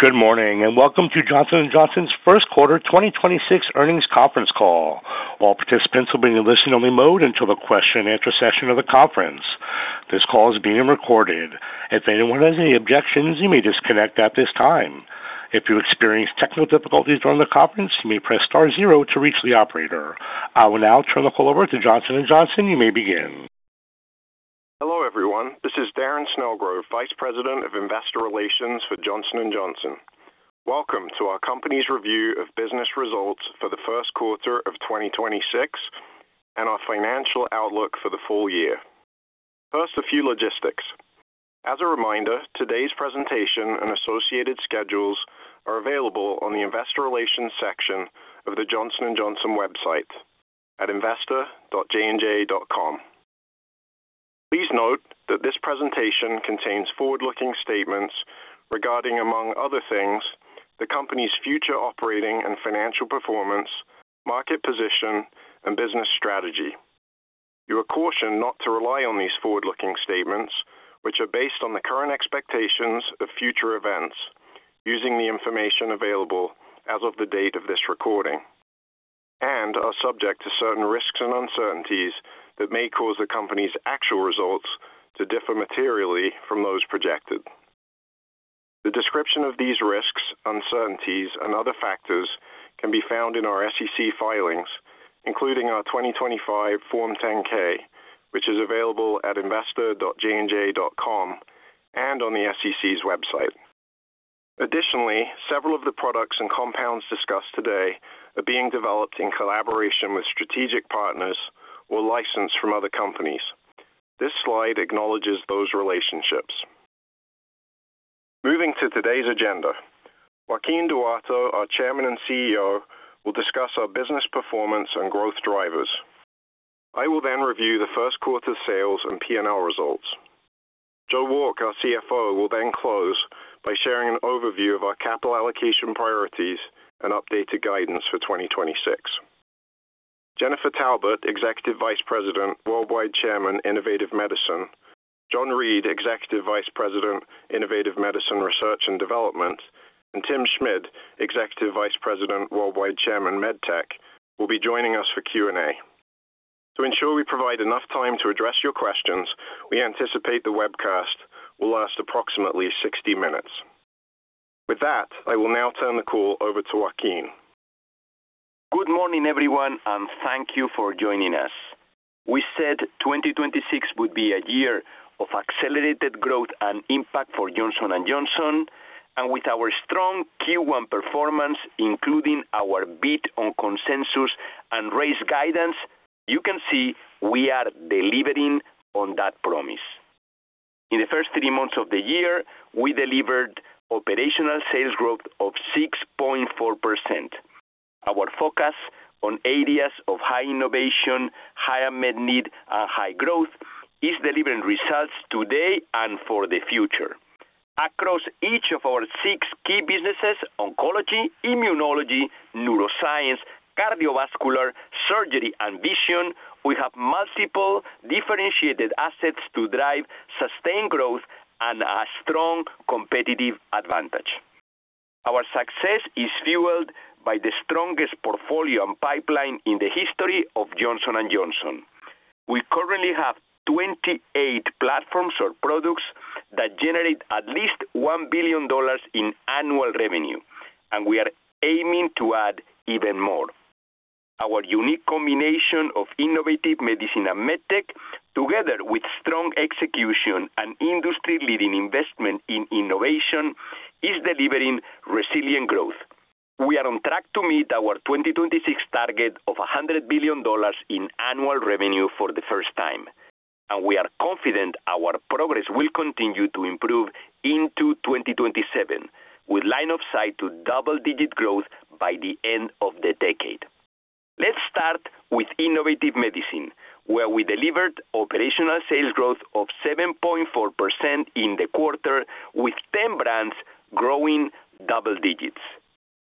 Good morning, and welcome to Johnson & Johnson's first quarter 2026 earnings conference call. All participants will be in listen-only mode until the question and answer session of the conference. This call is being recorded. If anyone has any objections, you may disconnect at this time. If you experience technical difficulties during the conference, you may press star zero to reach the operator. I will now turn the call over to Johnson & Johnson. You may begin. Hello, everyone. This is Darren Snellgrove, Vice President of Investor Relations for Johnson & Johnson. Welcome to our company's review of business results for the first quarter of 2026 and our financial outlook for the full year. First, a few logistics. As a reminder, today's presentation and associated schedules are available on the Investor Relations section of the Johnson & Johnson website at investor.jnj.com. Please note that this presentation contains forward-looking statements regarding, among other things, the company's future operating and financial performance, market position, and business strategy. You are cautioned not to rely on these forward-looking statements, which are based on the current expectations of future events using the information available as of the date of this recording and are subject to certain risks and uncertainties that may cause the company's actual results to differ materially from those projected. The description of these risks, uncertainties, and other factors can be found in our SEC filings, including our 2025 Form 10-K, which is available at investor.jnj.com and on the SEC's website. Additionally, several of the products and compounds discussed today are being developed in collaboration with strategic partners or licensed from other companies. This slide acknowledges those relationships. Moving to today's agenda. Joaquin Duato, our Chairman and CEO, will discuss our business performance and growth drivers. I will then review the first quarter sales and P&L results. Joe Wolk, our CFO, will then close by sharing an overview of our capital allocation priorities and updated guidance for 2026. Jennifer Taubert, Executive Vice President, Worldwide Chairman, Innovative Medicine, John Reed, Executive Vice President, Innovative Medicine Research and Development, and Tim Schmid, Executive Vice President, Worldwide Chairman, MedTech, will be joining us for Q&A. To ensure we provide enough time to address your questions, we anticipate the webcast will last approximately 60 minutes. With that, I will now turn the call over to Joaquin. Good morning, everyone, and thank you for joining us. We said 2026 would be a year of accelerated growth and impact for Johnson & Johnson. With our strong Q1 performance, including our beat on consensus and raised guidance, you can see we are delivering on that promise. In the first three months of the year, we delivered operational sales growth of 6.4%. Our focus on areas of high innovation, higher med need, and high growth is delivering results today and for the future. Across each of our six key businesses, oncology, immunology, neuroscience, cardiovascular, surgery, and vision, we have multiple differentiated assets to drive sustained growth and a strong competitive advantage. Our success is fueled by the strongest portfolio and pipeline in the history of Johnson & Johnson. We currently have 28 platforms or products that generate at least $1 billion in annual revenue, and we are aiming to add even more. Our unique combination of Innovative Medicine and MedTech, together with strong execution and industry-leading investment in innovation, is delivering resilient growth. We are on track to meet our 2026 target of $100 billion in annual revenue for the first time, and we are confident our progress will continue to improve into 2027, with line of sight to double-digit growth by the end of the decade. Let's start with Innovative Medicine, where we delivered operational sales growth of 7.4% in the quarter, with 10 brands growing double digits.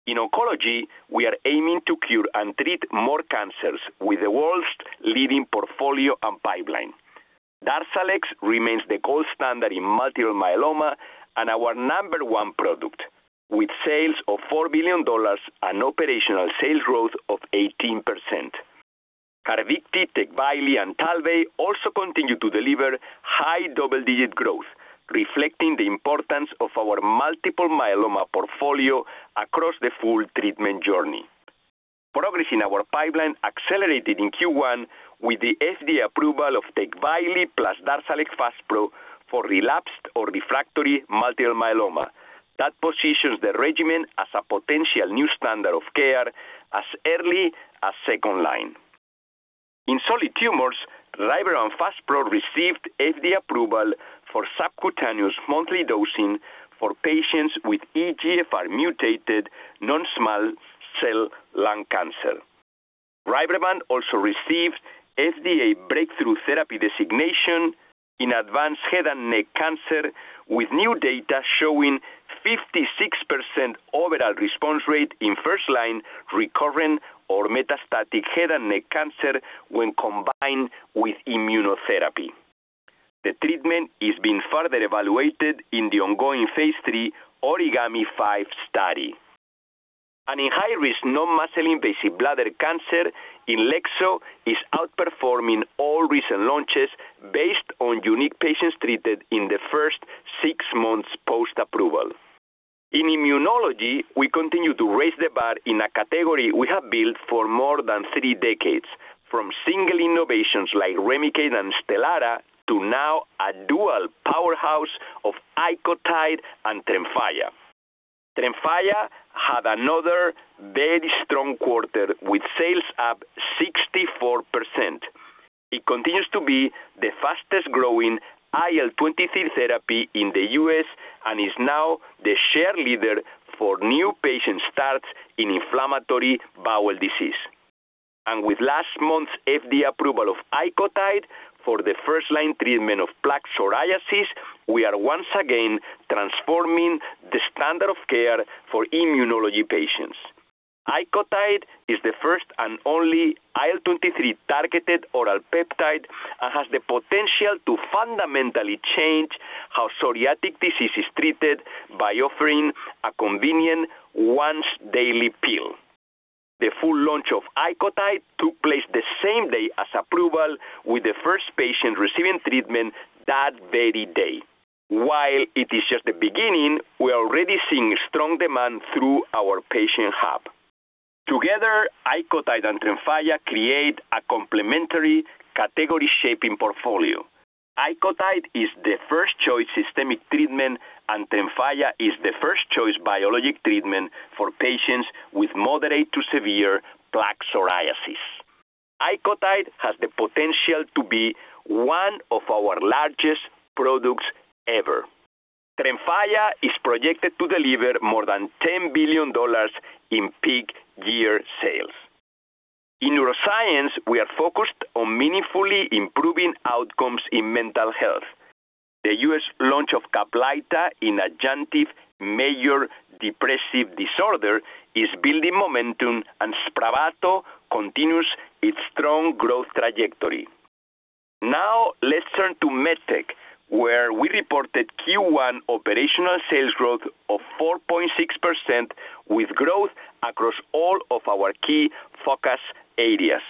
In oncology, we are aiming to cure and treat more cancers with the world's leading portfolio and pipeline. DARZALEX remains the gold standard in multiple myeloma and our number one product, with sales of $4 billion and operational sales growth of 18%. CARVYKTI, TECVAYLI, and TALVEY also continue to deliver high double-digit growth, reflecting the importance of our multiple myeloma portfolio across the full treatment journey. Progress in our pipeline accelerated in Q1 with the FDA approval of TECVAYLI plus DARZALEX FASPRO for relapsed or refractory multiple myeloma. That positions the regimen as a potential new standard of care as early as second-line. In solid tumors, RYBREVANT FASPRO received FDA approval for subcutaneous monthly dosing for patients with EGFR-mutated non-small cell lung cancer. RYBREVANT also received FDA breakthrough therapy designation in advanced head and neck cancer with new data showing 56% overall response rate in first-line recurrent or metastatic head and neck cancer when combined with immunotherapy. The treatment is being further evaluated in the ongoing phase III OrigAMI-5 study. In high-risk non-muscle invasive bladder cancer, INLEXZO is outperforming all recent launches based on unique patients treated in the first six months post-approval. In immunology, we continue to raise the bar in a category we have built for more than three decades, from single innovations like REMICADE and STELARA to now a dual powerhouse of ICOTYDE and TREMFYA. TREMFYA had another very strong quarter with sales up 64%. It continues to be the fastest-growing IL-23 therapy in the U.S. and is now the share leader for new patient starts in inflammatory bowel disease. With last month's FDA approval of ICOTYDE for the first-line treatment of plaque psoriasis, we are once again transforming the standard of care for immunology patients. ICOTYDE is the first and only IL-23-targeted oral peptide and has the potential to fundamentally change how psoriatic disease is treated by offering a convenient once-daily pill. The full launch of ICOTYDE took place the same day as approval, with the first patient receiving treatment that very day. While it is just the beginning, we are already seeing strong demand through our patient hub. Together, ICOTYDE and TREMFYA create a complementary category-shaping portfolio. ICOTYDE is the first-choice systemic treatment, and TREMFYA is the first-choice biologic treatment for patients with moderate to severe plaque psoriasis. ICOTYDE has the potential to be one of our largest products ever. TREMFYA is projected to deliver more than $10 billion in peak year sales. In neuroscience, we are focused on meaningfully improving outcomes in mental health. The U.S. launch of CAPLYTA in adjunctive major depressive disorder is building momentum, and SPRAVATO continues its strong growth trajectory. Now let's turn to MedTech, where we reported Q1 operational sales growth of 4.6% with growth across all of our key focus areas.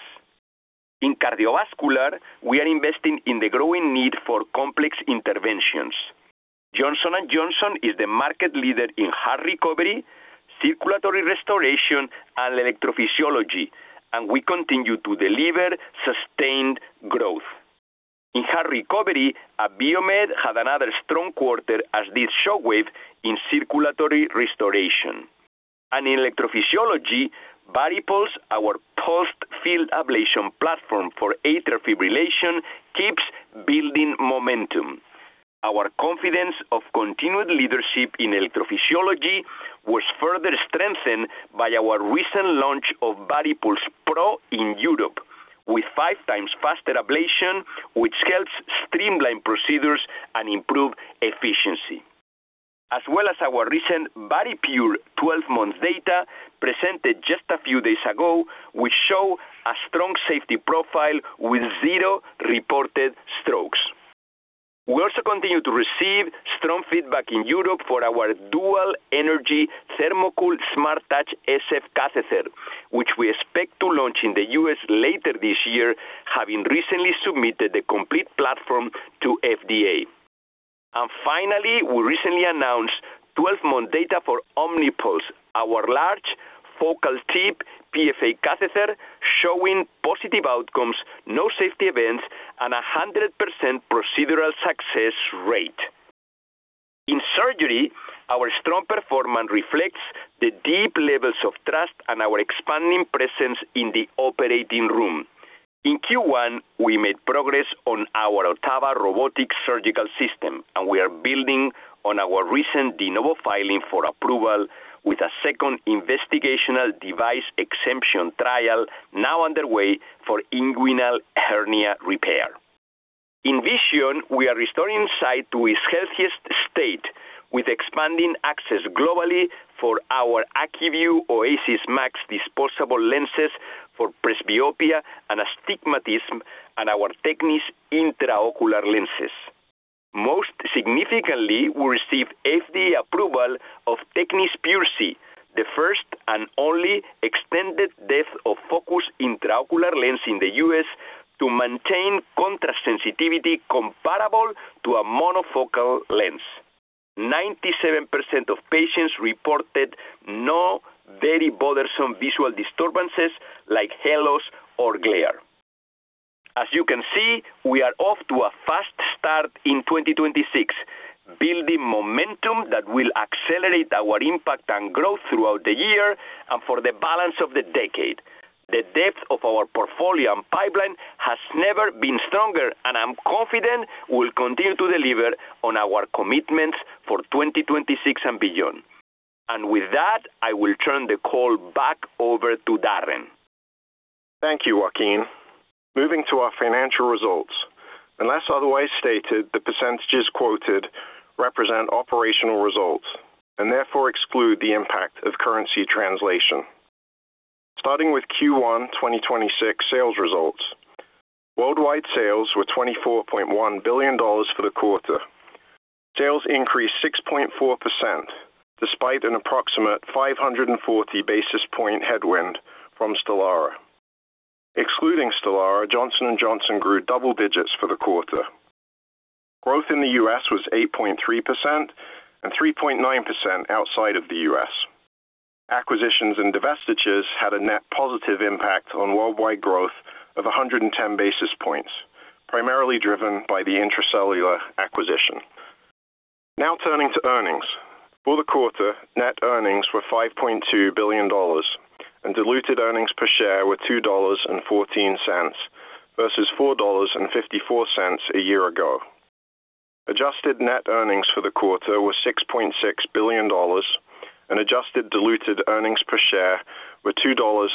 In cardiovascular, we are investing in the growing need for complex interventions. Johnson & Johnson is the market leader in heart recovery, circulatory restoration, and electrophysiology, and we continue to deliver sustained growth. In heart recovery, Abiomed had another strong quarter as did Shockwave in circulatory restoration. In electrophysiology, VARIPULSE, our pulsed field ablation platform for atrial fibrillation, keeps building momentum. Our confidence of continued leadership in electrophysiology was further strengthened by our recent launch of VARIPULSE Pro in Europe, with five times faster ablation, which helps streamline procedures and improve efficiency. As well as our recent VARIPURE 12-month data presented just a few days ago, which show a strong safety profile with zero reported strokes. We also continue to receive strong feedback in Europe for our dual-energy THERMOCOOL SMARTTOUCH SF catheter, which we expect to launch in the U.S. later this year, having recently submitted the complete platform to FDA. Finally, we recently announced 12-month data for VARIPULSE, our large focal tip PFA catheter, showing positive outcomes, no safety events, and 100% procedural success rate. In surgery, our strong performance reflects the deep levels of trust and our expanding presence in the operating room. In Q1, we made progress on our OTTAVA Robotic Surgical System, and we are building on our recent De Novo filing for approval with a second investigational device exemption trial now underway for inguinal hernia repair. In Vision, we are restoring sight to its healthiest state with expanding access globally for our ACUVUE OASYS MAX disposable lenses for presbyopia and astigmatism and our TECNIS intraocular lenses. Most significantly, we received FDA approval of TECNIS PureSee, the first and only extended depth of focus intraocular lens in the U.S. to maintain contrast sensitivity comparable to a monofocal lens. 97% of patients reported no very bothersome visual disturbances like halos or glare. As you can see, we are off to a fast start in 2026, building momentum that will accelerate our impact and growth throughout the year and for the balance of the decade. The depth of our portfolio and pipeline has never been stronger, and I'm confident we'll continue to deliver on our commitments for 2026 and beyond. With that, I will turn the call back over to Darren. Thank you, Joaquin. Moving to our financial results. Unless otherwise stated, the percentages quoted represent operational results and therefore exclude the impact of currency translation. Starting with Q1 2026 sales results. Worldwide sales were $24.1 billion for the quarter. Sales increased 6.4%, despite an approximate 540 basis point headwind from STELARA. Excluding STELARA, Johnson & Johnson grew double digits for the quarter. Growth in the U.S. was 8.3% and 3.9% outside of the U.S. Acquisitions and divestitures had a net positive impact on worldwide growth of 110 basis points, primarily driven by the Intra-Cellular acquisition. Now turning to earnings. For the quarter, net earnings were $5.2 billion and diluted earnings per share were $2.14 versus $4.54 a year ago. Adjusted net earnings for the quarter were $6.6 billion and adjusted diluted earnings per share were $2.70,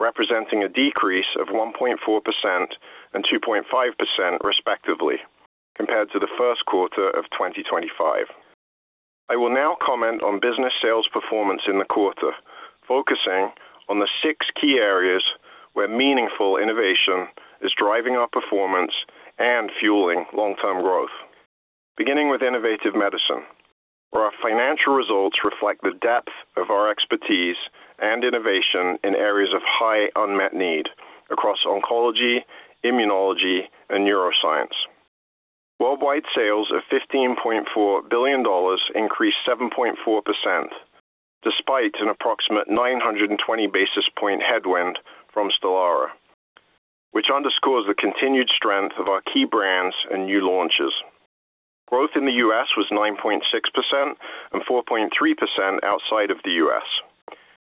representing a decrease of 1.4% and 2.5% respectively, compared to the first quarter of 2025. I will now comment on business sales performance in the quarter, focusing on the six key areas where meaningful innovation is driving our performance and fueling long-term growth, beginning with Innovative Medicine, where our financial results reflect the depth of our expertise and innovation in areas of high unmet need across oncology, immunology, and neuroscience. Worldwide sales of $15.4 billion increased 7.4%, despite an approximate 920 basis point headwind from STELARA, which underscores the continued strength of our key brands and new launches. Growth in the U.S. was 9.6% and 4.3% outside of the U.S.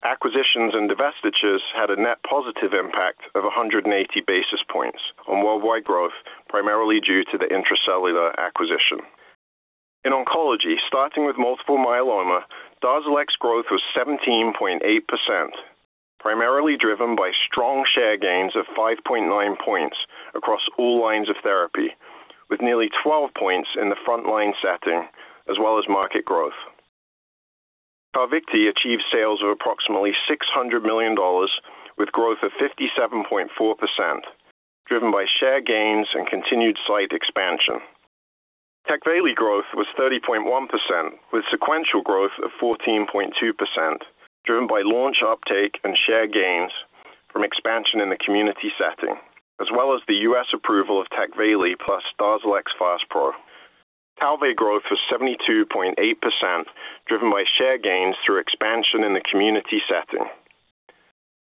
Acquisitions and divestitures had a net positive impact of 180 basis points on worldwide growth, primarily due to the Intra-Cellular acquisition. In oncology, starting with multiple myeloma, DARZALEX growth was 17.8%, primarily driven by strong share gains of 5.9 points across all lines of therapy, with nearly 12 points in the frontline setting as well as market growth. CARVYKTI achieved sales of approximately $600 million with growth of 57.4%, driven by share gains and continued site expansion. TECVAYLI growth was 30.1%, with sequential growth of 14.2%, driven by launch uptake and share gains from expansion in the community setting, as well as the U.S. approval of TECVAYLI plus DARZALEX FASPRO. TALVEY growth was 72.8%, driven by share gains through expansion in the community setting.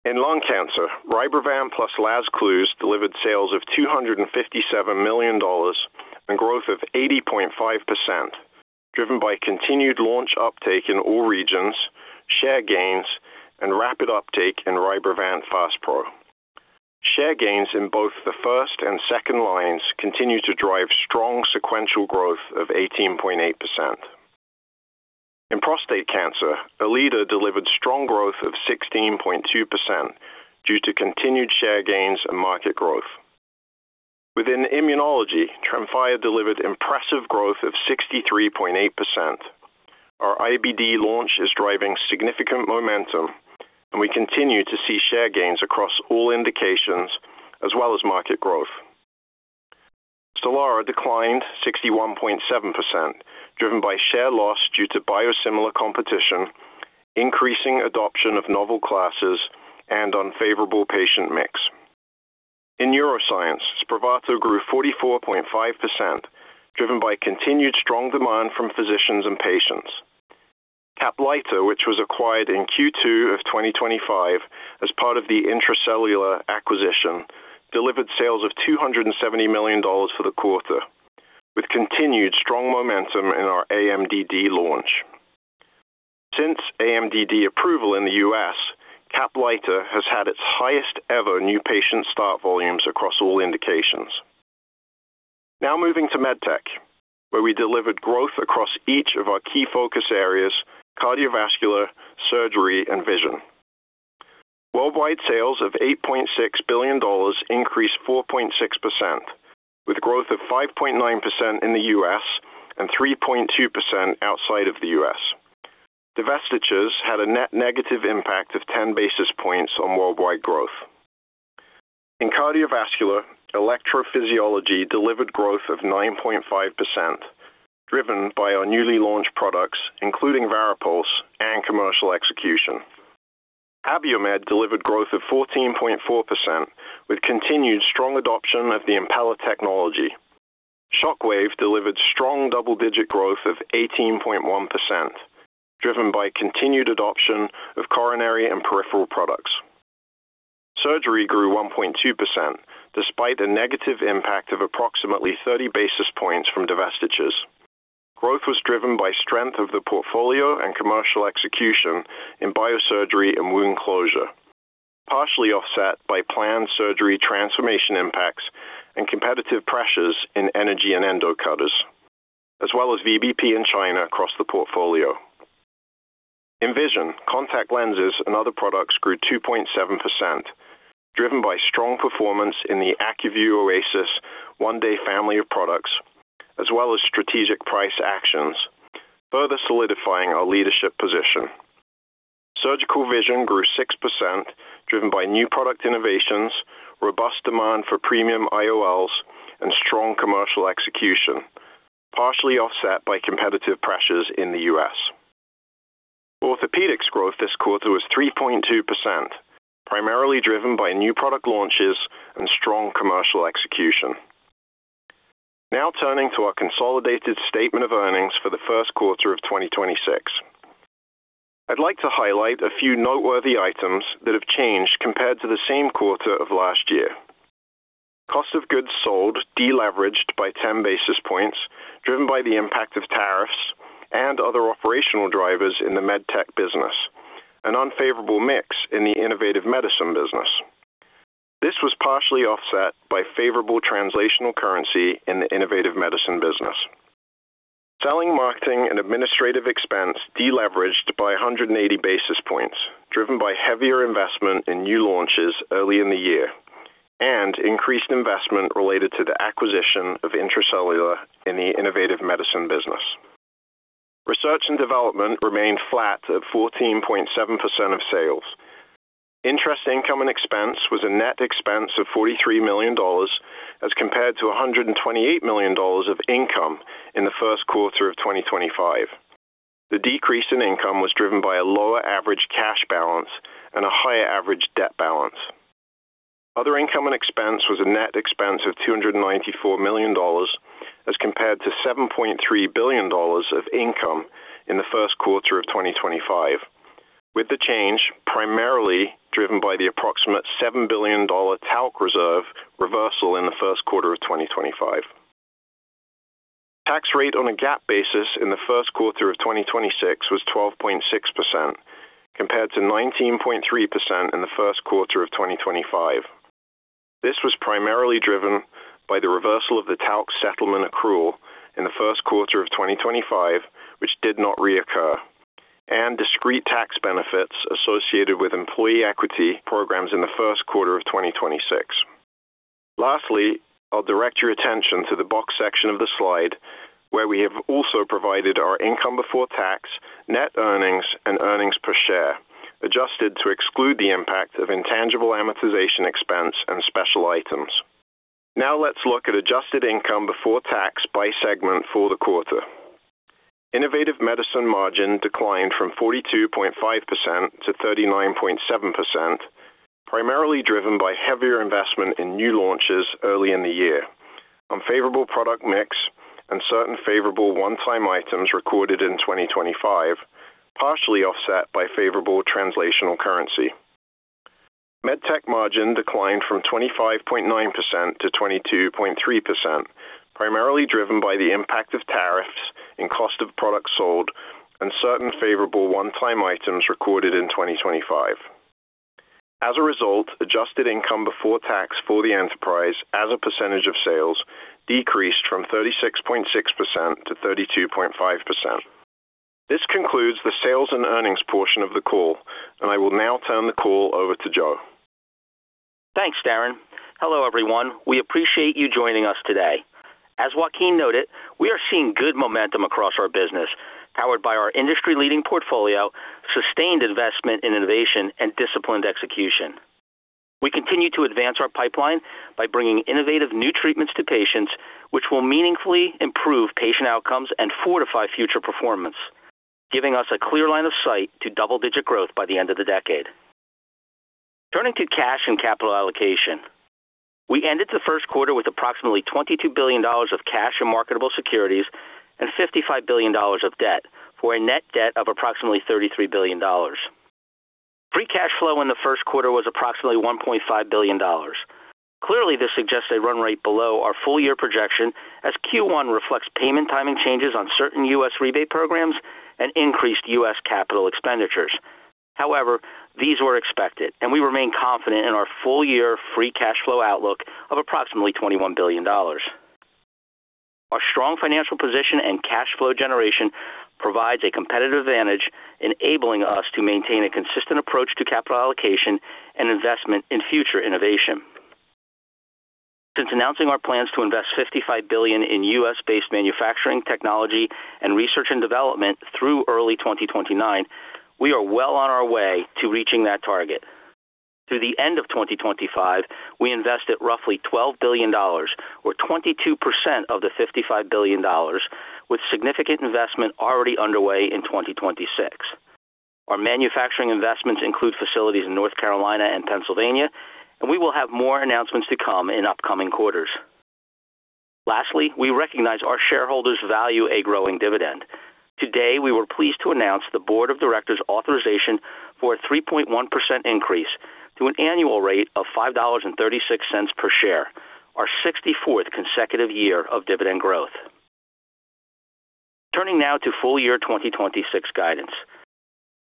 In lung cancer, RYBREVANT plus LAZCLUZE delivered sales of $257 million and growth of 80.5%, driven by continued launch uptake in all regions, share gains, and rapid uptake in RYBREVANT FASPRO. Share gains in both the first and second lines continue to drive strong sequential growth of 18.8%. In prostate cancer, ERLEADA delivered strong growth of 16.2% due to continued share gains and market growth. Within immunology, TREMFYA delivered impressive growth of 63.8%. Our IBD launch is driving significant momentum, and we continue to see share gains across all indications as well as market growth. STELARA declined 61.7%, driven by share loss due to biosimilar competition, increasing adoption of novel classes, and unfavorable patient mix. In neuroscience, SPRAVATO grew 44.5%, driven by continued strong demand from physicians and patients. CAPLYTA, which was acquired in Q2 of 2025 as part of the Intra-Cellular Therapies acquisition, delivered sales of $270 million for the quarter, with continued strong momentum in our aMDD launch. Since aMDD approval in the U.S., CAPLYTA has had its highest ever new patient start volumes across all indications. Now moving to MedTech, where we delivered growth across each of our key focus areas, Cardiovascular, Surgery, and Vision. Worldwide sales of $8.6 billion increased 4.6%, with growth of 5.9% in the U.S. and 3.2% outside of the U.S. Divestitures had a net negative impact of 10 basis points on worldwide growth. In Cardiovascular, electrophysiology delivered growth of 9.5%, driven by our newly launched products, including VARIPULSE and commercial execution. Abiomed delivered growth of 14.4%, with continued strong adoption of the Impella technology. Shockwave delivered strong double-digit growth of 18.1%, driven by continued adoption of coronary and peripheral products. Surgery grew 1.2%, despite a negative impact of approximately 30 basis points from divestitures. Growth was driven by strength of the portfolio and commercial execution in Biosurgery and Wound Closure, partially offset by planned surgery transformation impacts and competitive pressures in Energy and Endocutters, as well as VBP in China across the portfolio. In Vision, Contact Lenses and other products grew 2.7%, driven by strong performance in the ACUVUE OASYS 1-Day family of products, as well as strategic price actions, further solidifying our leadership position. Surgical Vision grew 6%, driven by new product innovations, robust demand for premium IOLs and strong commercial execution, partially offset by competitive pressures in the U.S. Orthopaedics growth this quarter was 3.2%, primarily driven by new product launches and strong commercial execution. Now turning to our Consolidated Statement of Earnings for the first quarter of 2026. I'd like to highlight a few noteworthy items that have changed compared to the same quarter of last year. Cost of Goods Sold deleveraged by 10 basis points, driven by the impact of tariffs and other operational drivers in the MedTech business, an unfavorable mix in the Innovative Medicine business. This was partially offset by favorable translational currency in the Innovative Medicine business. Selling, Marketing, and Administrative expense deleveraged by 180 basis points, driven by heavier investment in new launches early in the year and increased investment related to the acquisition of Intra-Cellular in the Innovative Medicine business. Research and Development remained flat at 14.7% of sales. Interest Income and Expense was a net expense of $43 million as compared to $128 million of income in the first quarter of 2025. The decrease in income was driven by a lower average cash balance and a higher average debt balance. Other Income and Expense was a net expense of $294 million as compared to $7.3 billion of income in the first quarter of 2025, with the change primarily driven by the approximate $7 billion talc reserve reversal in the first quarter of 2025. Tax rate on a GAAP basis in the first quarter of 2026 was 12.6%, compared to 19.3% in the first quarter of 2025. This was primarily driven by the reversal of the talc settlement accrual in the first quarter of 2025, which did not reoccur, and discrete tax benefits associated with employee equity programs in the first quarter of 2026. Lastly, I'll direct your attention to the box section of the slide, where we have also provided our Income Before Tax, Net Earnings, and Earnings Per Share, adjusted to exclude the impact of Intangible Amortization Expense and Special Items. Now let's look at Adjusted Income Before Tax by segment for the quarter. Innovative Medicine margin declined from 42.5%-39.7%, primarily driven by heavier investment in new launches early in the year, unfavorable product mix, and certain favorable one-time items recorded in 2025, partially offset by favorable translational currency. MedTech margin declined from 25.9%-22.3%, primarily driven by the impact of tariffs in Cost of Products Sold and certain favorable one-time items recorded in 2025. As a result, Adjusted Income Before Tax for the enterprise as a percentage of sales decreased from 36.6%-32.5%. This concludes the sales and earnings portion of the call, and I will now turn the call over to Joe. Thanks, Darren. Hello, everyone. We appreciate you joining us today. As Joaquin noted, we are seeing good momentum across our business, powered by our industry-leading portfolio, sustained investment in innovation, and disciplined execution. We continue to advance our pipeline by bringing innovative new treatments to patients, which will meaningfully improve patient outcomes and fortify future performance, giving us a clear line of sight to double-digit growth by the end of the decade. Turning to cash and capital allocation. We ended the first quarter with approximately $22 billion of cash and marketable securities and $55 billion of debt, for a net debt of approximately $33 billion. Free cash flow in the first quarter was approximately $1.5 billion. Clearly, this suggests a run rate below our full year projection, as Q1 reflects payment timing changes on certain U.S. rebate programs and increased U.S. capital expenditures. However, these were expected, and we remain confident in our full-year free cash flow outlook of approximately $21 billion. Our strong financial position and cash flow generation provides a competitive advantage, enabling us to maintain a consistent approach to capital allocation and investment in future innovation. Since announcing our plans to invest $55 billion in U.S.-based manufacturing technology and research and development through early 2029, we are well on our way to reaching that target. Through the end of 2025, we invested roughly $12 billion, or 22% of the $55 billion, with significant investment already underway in 2026. Our manufacturing investments include facilities in North Carolina and Pennsylvania, and we will have more announcements to come in upcoming quarters. Lastly, we recognize our shareholders value a growing dividend. Today, we were pleased to announce the Board of Directors' authorization for a 3.1% increase to an annual rate of $5.36 per share, our 64th consecutive year of dividend growth. Turning now to full year 2026 guidance.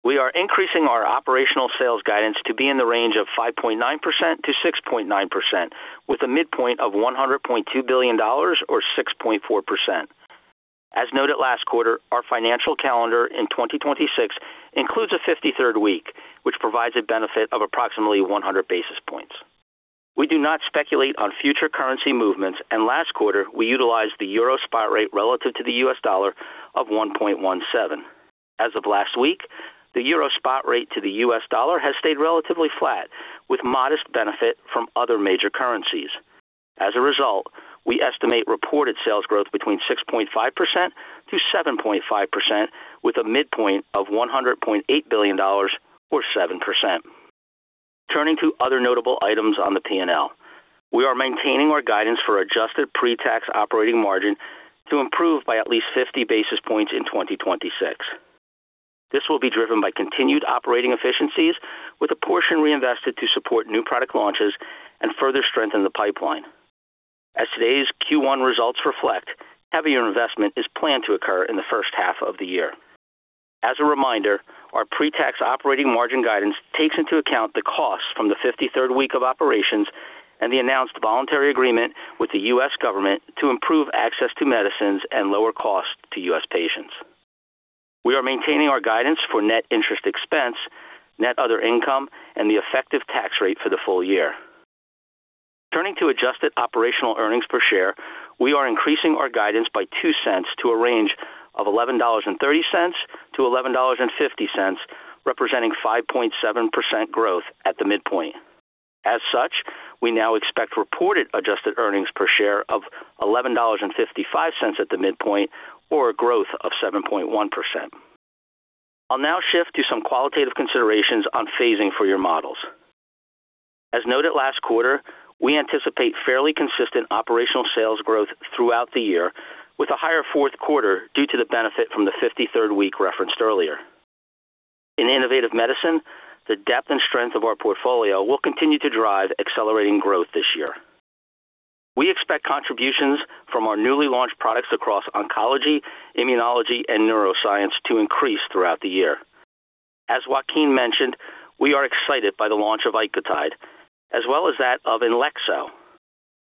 We are increasing our operational sales guidance to be in the range of 5.9%-6.9%, with a midpoint of $100.2 billion or 6.4%. As noted last quarter, our financial calendar in 2026 includes a 53rd week, which provides a benefit of approximately 100 basis points. We do not speculate on future currency movements, and last quarter we utilized the euro spot rate relative to the U.S. dollar of 1.17. As of last week, the euro spot rate to the U.S. dollar has stayed relatively flat, with modest benefit from other major currencies. As a result, we estimate reported sales growth between 6.5%-7.5% with a midpoint of $100.8 billion or 7%. Turning to other notable items on the P&L. We are maintaining our guidance for adjusted pre-tax operating margin to improve by at least 50 basis points in 2026. This will be driven by continued operating efficiencies, with a portion reinvested to support new product launches and further strengthen the pipeline. As today's Q1 results reflect, heavier investment is planned to occur in the first half of the year. As a reminder, our pre-tax operating margin guidance takes into account the costs from the 53rd week of operations and the announced voluntary agreement with the U.S. government to improve access to medicines and lower costs to U.S. patients. We are maintaining our guidance for net interest expense, net other income, and the effective tax rate for the full year. Turning to adjusted operational earnings per share, we are increasing our guidance by $0.02 to a range of $11.30-$11.50, representing 5.7% growth at the midpoint. As such, we now expect reported adjusted earnings per share of $11.55 at the midpoint, or a growth of 7.1%. I'll now shift to some qualitative considerations on phasing for your models. As noted last quarter, we anticipate fairly consistent operational sales growth throughout the year, with a higher fourth quarter due to the benefit from the 53rd week referenced earlier. In Innovative Medicine, the depth and strength of our portfolio will continue to drive accelerating growth this year. We expect contributions from our newly launched products across oncology, immunology, and neuroscience to increase throughout the year. As Joaquin mentioned, we are excited by the launch of ICOTYDE, as well as that of INLEXZO,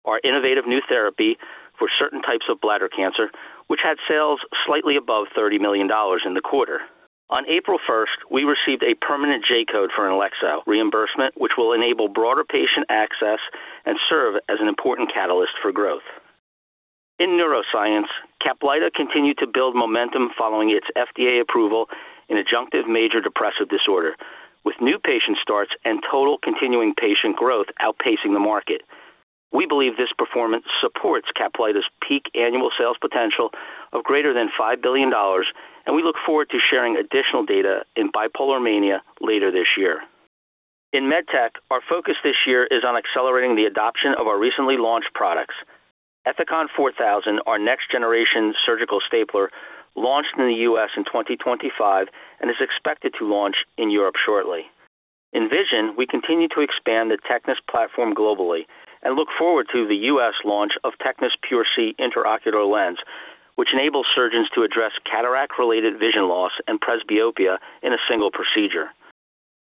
our innovative new therapy for certain types of bladder cancer, which had sales slightly above $30 million in the quarter. On April 1st, we received a permanent J-code for INLEXZO reimbursement, which will enable broader patient access and serve as an important catalyst for growth. In Neuroscience, CAPLYTA continued to build momentum following its FDA approval in adjunctive major depressive disorder, with new patient starts and total continuing patient growth outpacing the market. We believe this performance supports CAPLYTA's peak annual sales potential of greater than $5 billion, and we look forward to sharing additional data in bipolar mania later this year. In MedTech, our focus this year is on accelerating the adoption of our recently launched products. ETHICON 4000, our next-generation surgical stapler, launched in the U.S. in 2025 and is expected to launch in Europe shortly. In Vision, we continue to expand the TECNIS platform globally and look forward to the U.S. launch of TECNIS PureSee intraocular lens, which enables surgeons to address cataract-related vision loss and presbyopia in a single procedure.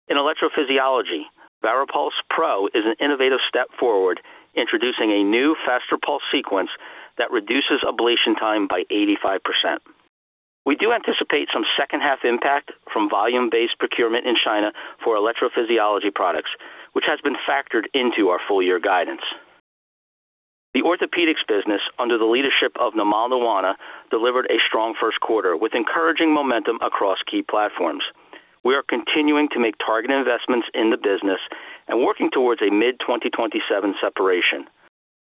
In electrophysiology, VARIPULSE Pro is an innovative step forward, introducing a new faster pulse sequence that reduces ablation time by 85%. We do anticipate some second-half impact from volume-based procurement in China for electrophysiology products, which has been factored into our full-year guidance. The Orthopaedics business, under the leadership of Namal Nawana, delivered a strong first quarter with encouraging momentum across key platforms. We are continuing to make targeted investments in the business and working towards a mid-2027 separation.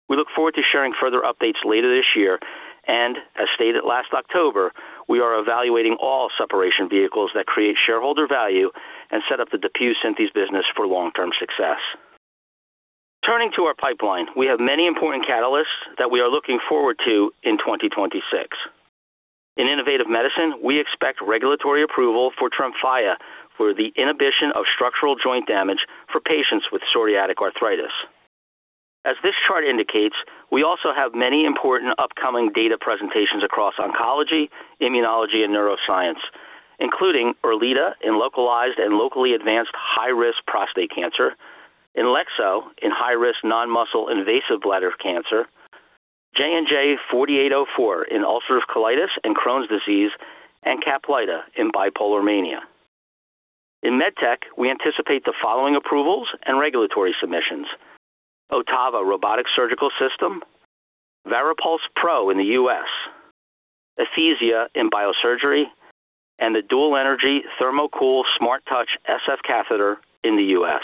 We look forward to sharing further updates later this year, and as stated last October, we are evaluating all separation vehicles that create shareholder value and set up the DePuy Synthes business for long-term success. Turning to our pipeline, we have many important catalysts that we are looking forward to in 2026. In Innovative Medicine, we expect regulatory approval for TREMFYA for the inhibition of structural joint damage for patients with psoriatic arthritis. As this chart indicates, we also have many important upcoming data presentations across oncology, immunology, and neuroscience, including ERLEADA in localized and locally advanced high-risk prostate cancer, INLEXZO in high-risk non-muscle invasive bladder cancer, JNJ-4804 in ulcerative colitis and Crohn's disease, and CAPLYTA in bipolar mania. In MedTech, we anticipate the following approvals and regulatory submissions, OTTAVA Robotic Surgical System, VARIPULSE Pro in the U.S., ETHIZIA in biosurgery, and the dual energy THERMOCOOL SMARTTOUCH SF catheter in the U.S.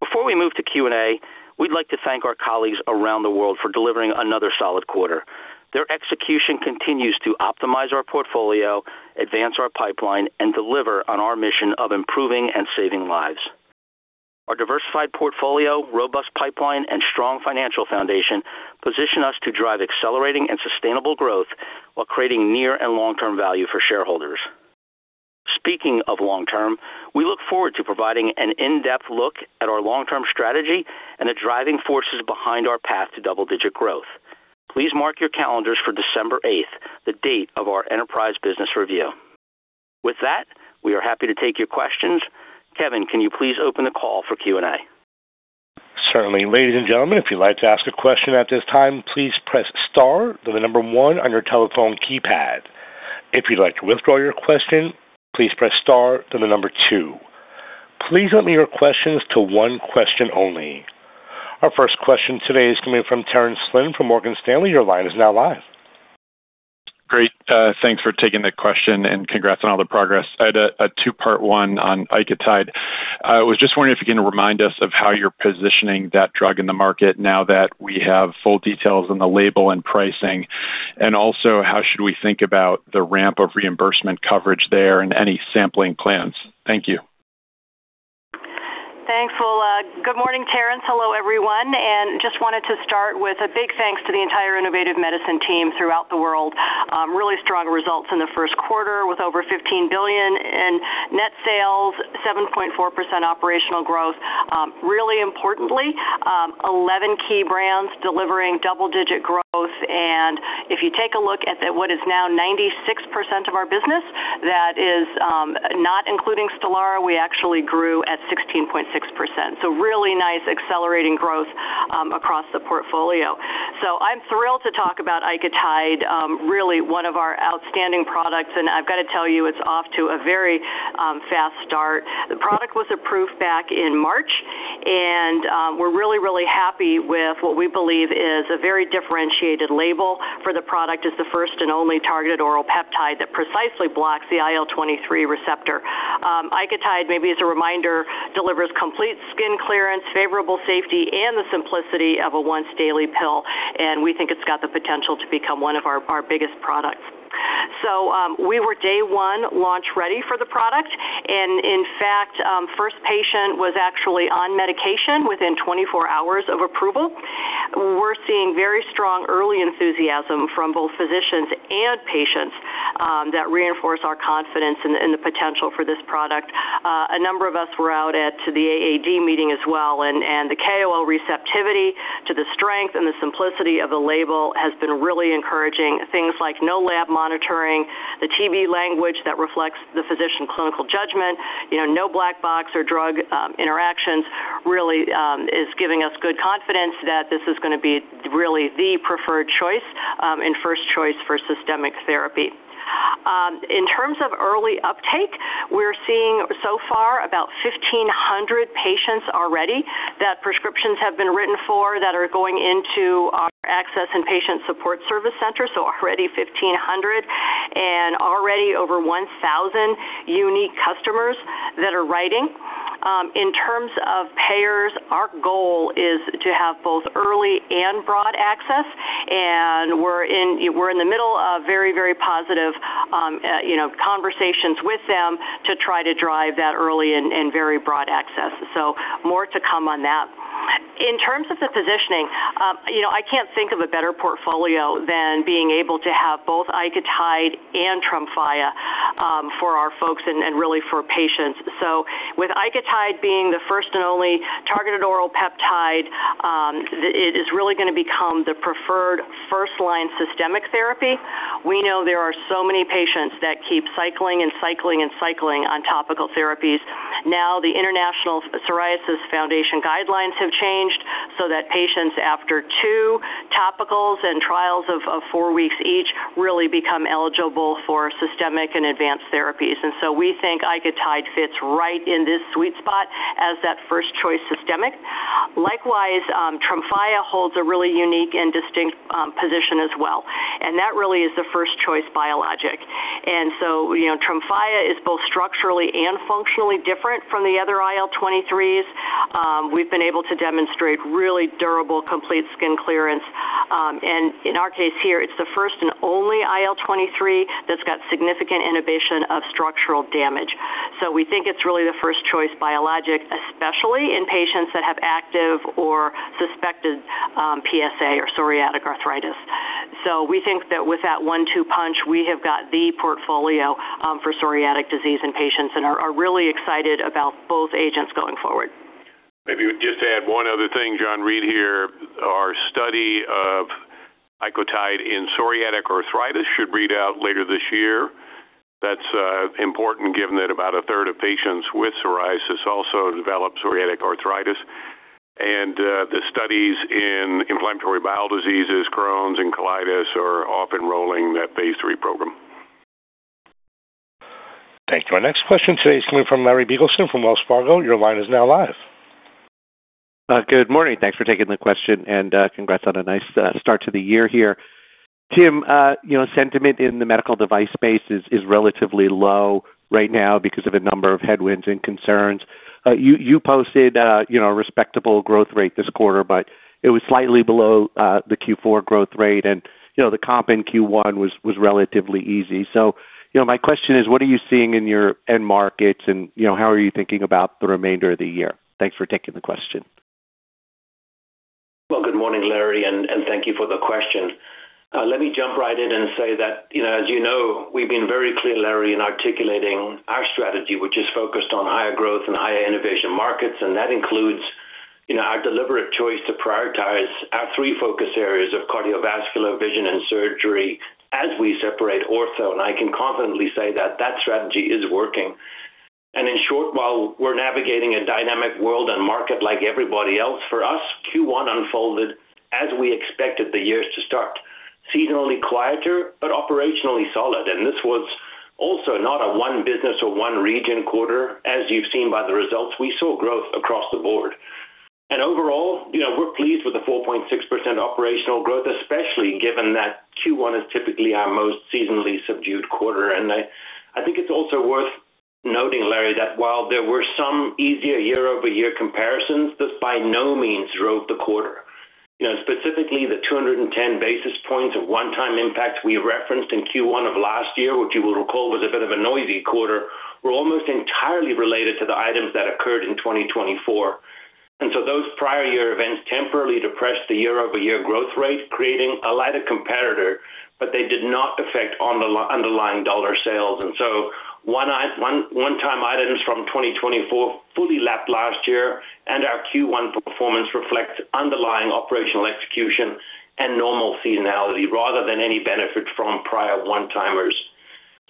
Before we move to Q&A, we'd like to thank our colleagues around the world for delivering another solid quarter. Their execution continues to optimize our portfolio, advance our pipeline, and deliver on our mission of improving and saving lives. Our diversified portfolio, robust pipeline, and strong financial foundation position us to drive accelerating and sustainable growth while creating near and long-term value for shareholders. Speaking of long-term, we look forward to providing an in-depth look at our long-term strategy and the driving forces behind our path to double-digit growth. Please mark your calendars for December 8th, the date of our Enterprise Business Review. With that, we are happy to take your questions. Kevin, can you please open the call for Q&A? Certainly. Ladies and gentlemen, if you'd like to ask a question at this time, please press star, then the number one on your telephone keypad. If you'd like to withdraw your question, please press star, then the number two. Please limit your questions to one question only. Our first question today is coming from Terence Flynn from Morgan Stanley. Your line is now live. Great. Thanks for taking the question, and congrats on all the progress. I had a two-part one on ICOTYDE. I was just wondering if you can remind us of how you're positioning that drug in the market now that we have full details on the label and pricing. Also, how should we think about the ramp of reimbursement coverage there and any sampling plans? Thank you. Thanks. Well, good morning, Terence. Hello, everyone, and just wanted to start with a big thanks to the entire Innovative Medicine team throughout the world. Really strong results in the first quarter with over 15 billion in net sales, 7.4% operational growth. Really importantly, 11 key brands delivering double-digit growth. And if you take a look at what is now 96% of our business, that is not including STELARA, we actually grew at 16.6%. So really nice accelerating growth across the portfolio. So I'm thrilled to talk about ICOTYDE, really one of our outstanding products, and I've got to tell you, it's off to a very fast start. The product was approved back in March, and we're really happy with what we believe is a very differentiated label for the product as the first and only targeted oral peptide that precisely blocks the IL-23 receptor. ICOTYDE, maybe as a reminder, delivers complete skin clearance, favorable safety, and the simplicity of a once-daily pill, and we think it's got the potential to become one of our biggest products. We were day 1 launch-ready for the product, and in fact, first patient was actually on medication within 24 hours of approval. We're seeing very strong early enthusiasm from both physicians and patients that reinforce our confidence in the potential for this product. A number of us were out to the AAD meeting as well, and the KOL receptivity to the strength and the simplicity of the label has been really encouraging. Things like no lab monitoring, the TB language that reflects the physician clinical judgment, no black box or drug interactions really is giving us good confidence that this is going to be really the preferred choice and first choice for systemic therapy. In terms of early uptake, we're seeing so far about 1,500 patients already that prescriptions have been written for that are going into our access and patient support service center, already 1,500 and already over 1,000 unique customers that are writing. In terms of payers, our goal is to have both early and broad access, and we're in the middle of very positive conversations with them to try to drive that early and very broad access. More to come on that. In terms of the positioning, I can't think of a better portfolio than being able to have both ICOTYDE and TREMFYA for our folks and really for patients. With ICOTYDE being the first and only targeted oral peptide, it is really going to become the preferred first-line systemic therapy. We know there are so many patients that keep cycling and cycling and cycling on topical therapies. Now, the National Psoriasis Foundation guidelines have changed so that patients after two topicals and trials of four weeks each really become eligible for systemic and advanced therapies. We think ICOTYDE fits right in this sweet spot as that first-choice systemic. Likewise, TREMFYA holds a really unique and distinct position as well, and that really is the first-choice biologic. TREMFYA is both structurally and functionally different from the other IL-23s. We've been able to demonstrate really durable, complete skin clearance. In our case here, it's the first and only IL-23 that's got significant inhibition of structural damage. We think it's really the first-choice biologic, especially in patients that have active or suspected PSA or psoriatic arthritis. We think that with that one-two punch, we have got the portfolio for psoriatic disease in patients and are really excited about both agents going forward. Maybe just to add one other thing, John Reed here. Our study of ICOTYDE in psoriatic arthritis should read out later this year. That's important given that about 1/3 of patients with psoriasis also develop psoriatic arthritis. The studies in inflammatory bowel diseases, Crohn's and colitis, are off enrolling that phase III program. Thank you. Our next question today is coming from Larry Biegelsen from Wells Fargo. Your line is now live. Good morning. Thanks for taking the question, and congrats on a nice start to the year here. Tim, sentiment in the medical device space is relatively low right now because of a number of headwinds and concerns. You posted a respectable growth rate this quarter, but it was slightly below the Q4 growth rate, and the comp in Q1 was relatively easy. My question is, what are you seeing in your end markets, and how are you thinking about the remainder of the year? Thanks for taking the question. Well, good morning, Larry, and thank you for the question. Let me jump right in and say that, as you know, we've been very clear, Larry, in articulating our strategy, which is focused on higher growth and higher innovation markets, and that includes our deliberate choice. To prioritize our three focus areas of cardiovascular, vision, and surgery as we separate Ortho, I can confidently say that that strategy is working. In short, while we're navigating a dynamic world and market like everybody else, for us, Q1 unfolded as we expected the year to start, seasonally quieter but operationally solid. This was also not a one business or one region quarter, as you've seen by the results. We saw growth across the board. Overall, we're pleased with the 4.6% operational growth, especially given that Q1 is typically our most seasonally subdued quarter. I think it's also worth noting, Larry, that while there were some easier year-over-year comparisons, this by no means drove the quarter. Specifically, the 210 basis points of one-time impact we referenced in Q1 of last year, which you will recall was a bit of a noisy quarter, were almost entirely related to the items that occurred in 2024. Those prior year events temporarily depressed the year-over-year growth rate, creating a lighter comparator, but they did not affect underlying dollar sales. One-time items from 2024 fully lapped last year, and our Q1 performance reflects underlying operational execution and normal seasonality rather than any benefit from prior one-timers.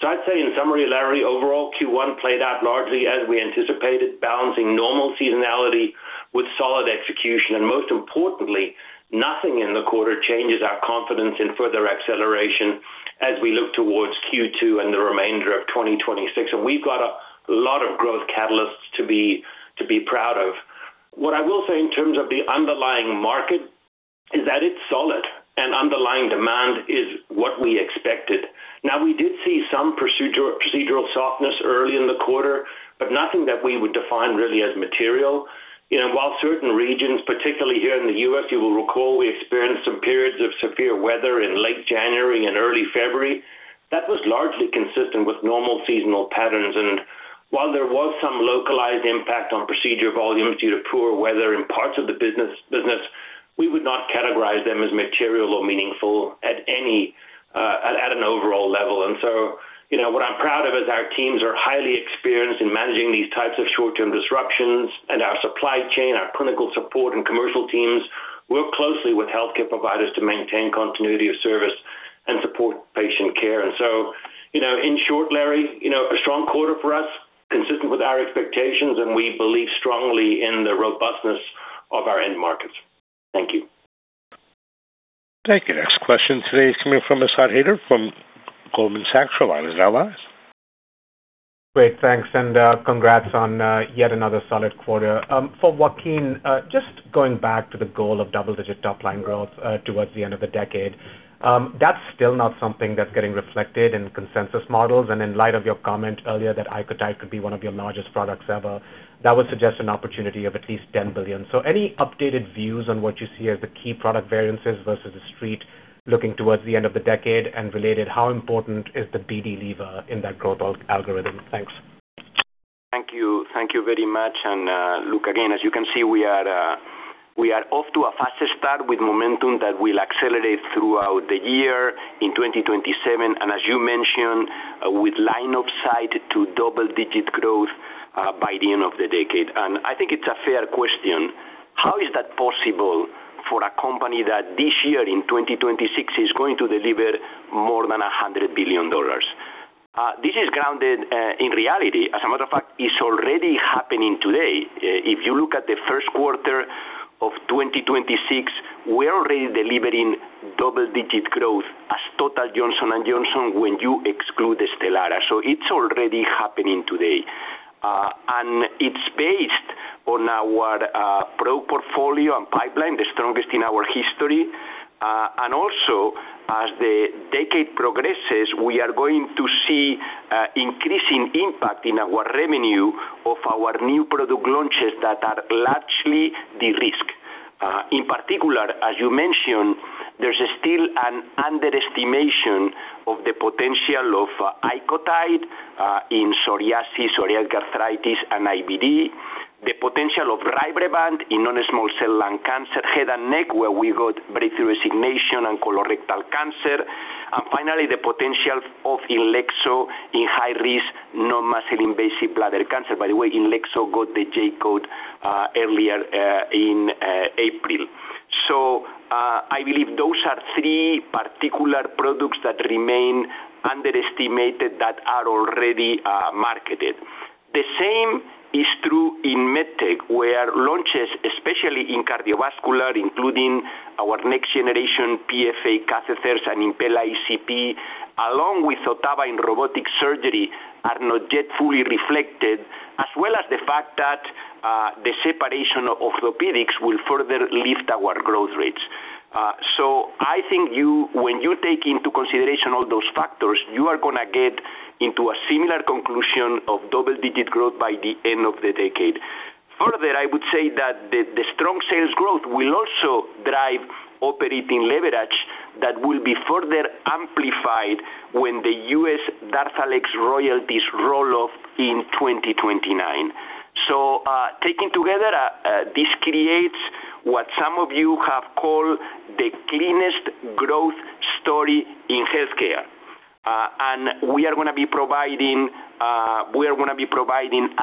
I'd say in summary, Larry, overall Q1 played out largely as we anticipated, balancing normal seasonality with solid execution, and most importantly, nothing in the quarter changes our confidence in further acceleration as we look towards Q2 and the remainder of 2026. We've got a lot of growth catalysts to be proud of. What I will say in terms of the underlying market is that it's solid and underlying demand is what we expected. Now, we did see some procedural softness early in the quarter, but nothing that we would define really as material. While certain regions, particularly here in the U.S., you will recall we experienced some periods of severe weather in late January and early February, that was largely consistent with normal seasonal patterns. While there was some localized impact on procedure volume due to poor weather in parts of the business, we would not categorize them as material or meaningful at an overall level. What I'm proud of is our teams are highly experienced in managing these types of short-term disruptions, and our supply chain, our clinical support, and commercial teams work closely with healthcare providers to maintain continuity of service and support patient care. In short, Larry, a strong quarter for us consistent with our expectations, and we believe strongly in the robustness of our end markets. Thank you. Thank you. Next question today is coming from Asad Haider from Goldman Sachs. The line is now yours. Great. Thanks. Congrats on yet another solid quarter. For Joaquin, just going back to the goal of double-digit top-line growth towards the end of the decade, that's still not something that's getting reflected in consensus models. In light of your comment earlier that ICOTYDE could be one of your largest products ever, that would suggest an opportunity of at least $10 billion. Any updated views on what you see as the key product variances versus The Street looking towards the end of the decade? Related, how important is the BD lever in that growth algorithm? Thanks. Thank you. Thank you very much. Look again, as you can see, we are off to a faster start with momentum that will accelerate throughout the year in 2027, and as you mentioned, with line of sight to double-digit growth by the end of the decade. I think it's a fair question. How is that possible for a company that this year in 2026 is going to deliver more than $100 billion? This is grounded in reality. As a matter of fact, it's already happening today. If you look at the first quarter of 2026, we're already delivering double-digit growth as total Johnson & Johnson when you exclude STELARA. It's already happening today. It's based on our product portfolio and pipeline, the strongest in our history. As the decade progresses, we are going to see increasing impact in our revenue of our new product launches that are largely de-risked. In particular, as you mentioned, there's still an underestimation of the potential of ICOTYDE in psoriasis, psoriatic arthritis, and IBD, the potential of RYBREVANT in non-small cell lung cancer, head and neck, where we got breakthrough designation in colorectal cancer, and finally, the potential of INLEXZO in high-risk non-muscle invasive bladder cancer. By the way, INLEXZO got the J-code earlier in April. I believe those are three particular products that remain underestimated that are already marketed. The same is true in MedTech, where launches, especially in cardiovascular, including our next generation PFA catheters and Impella ECP, along with OTTAVA in robotic surgery, are not yet fully reflected, as well as the fact that the separation of orthopaedics will further lift our growth rates. I think when you take into consideration all those factors, you are going to get into a similar conclusion of double-digit growth by the end of the decade. Further, I would say that the strong sales growth will also drive operating leverage that will be further amplified when the U.S. DARZALEX royalties roll off in 2029. Taken together, this creates what some of you have called the cleanest growth story in healthcare. We are going to be providing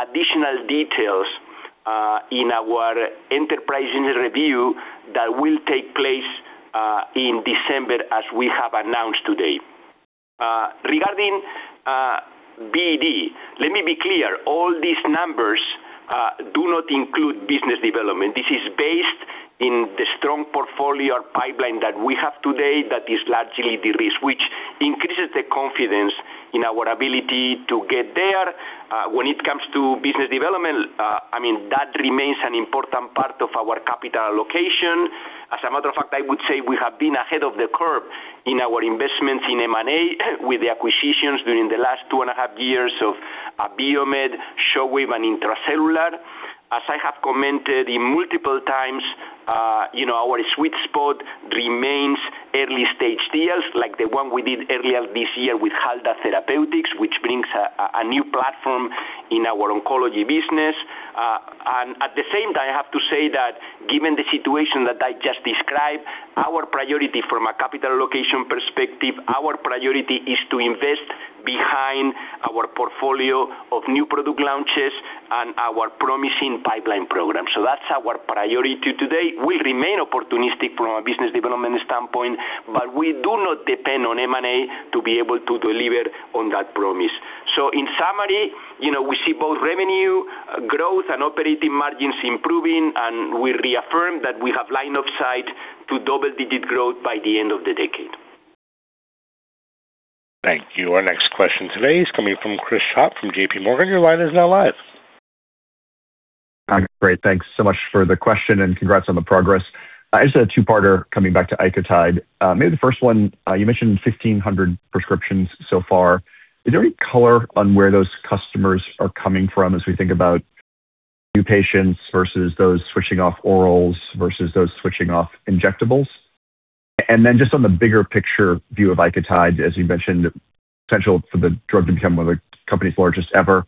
additional details in our enterprise review that will take place in December as we have announced today. Regarding BD, let me be clear. All these numbers do not include business development. This is based in the strong portfolio pipeline that we have today that is largely de-risked, which increases the confidence in our ability to get there. When it comes to business development, that remains an important part of our capital allocation. As a matter of fact, I would say we have been ahead of the curve in our investments in M&A with the acquisitions during the last two and a half years of Abiomed, Shockwave, and Intra-Cellular. As I have commented in multiple times, our sweet spot remains early-stage deals like the one we did earlier this year with Halda Therapeutics, which brings a new platform in our oncology business. At the same time, I have to say that given the situation that I just described, our priority from a capital allocation perspective is to invest behind our portfolio of new product launches and our promising pipeline program. That's our priority today. We remain opportunistic from a business development standpoint, but we do not depend on M&A to be able to deliver on that promise. In summary, we see both revenue growth and operating margins improving, and we reaffirm that we have line of sight to double-digit growth by the end of the decade. Thank you. Our next question today is coming from Chris Schott from JPMorgan. Your line is now live. Great. Thanks so much for the question and congrats on the progress. I just had a two-parter coming back to ICOTYDE. Maybe the first one, you mentioned 1,500 prescriptions so far. Is there any color on where those customers are coming from as we think about new patients versus those switching off orals versus those switching off injectables? Just on the bigger picture view of ICOTYDE, as you mentioned, potential for the drug to become one of the company's largest ever,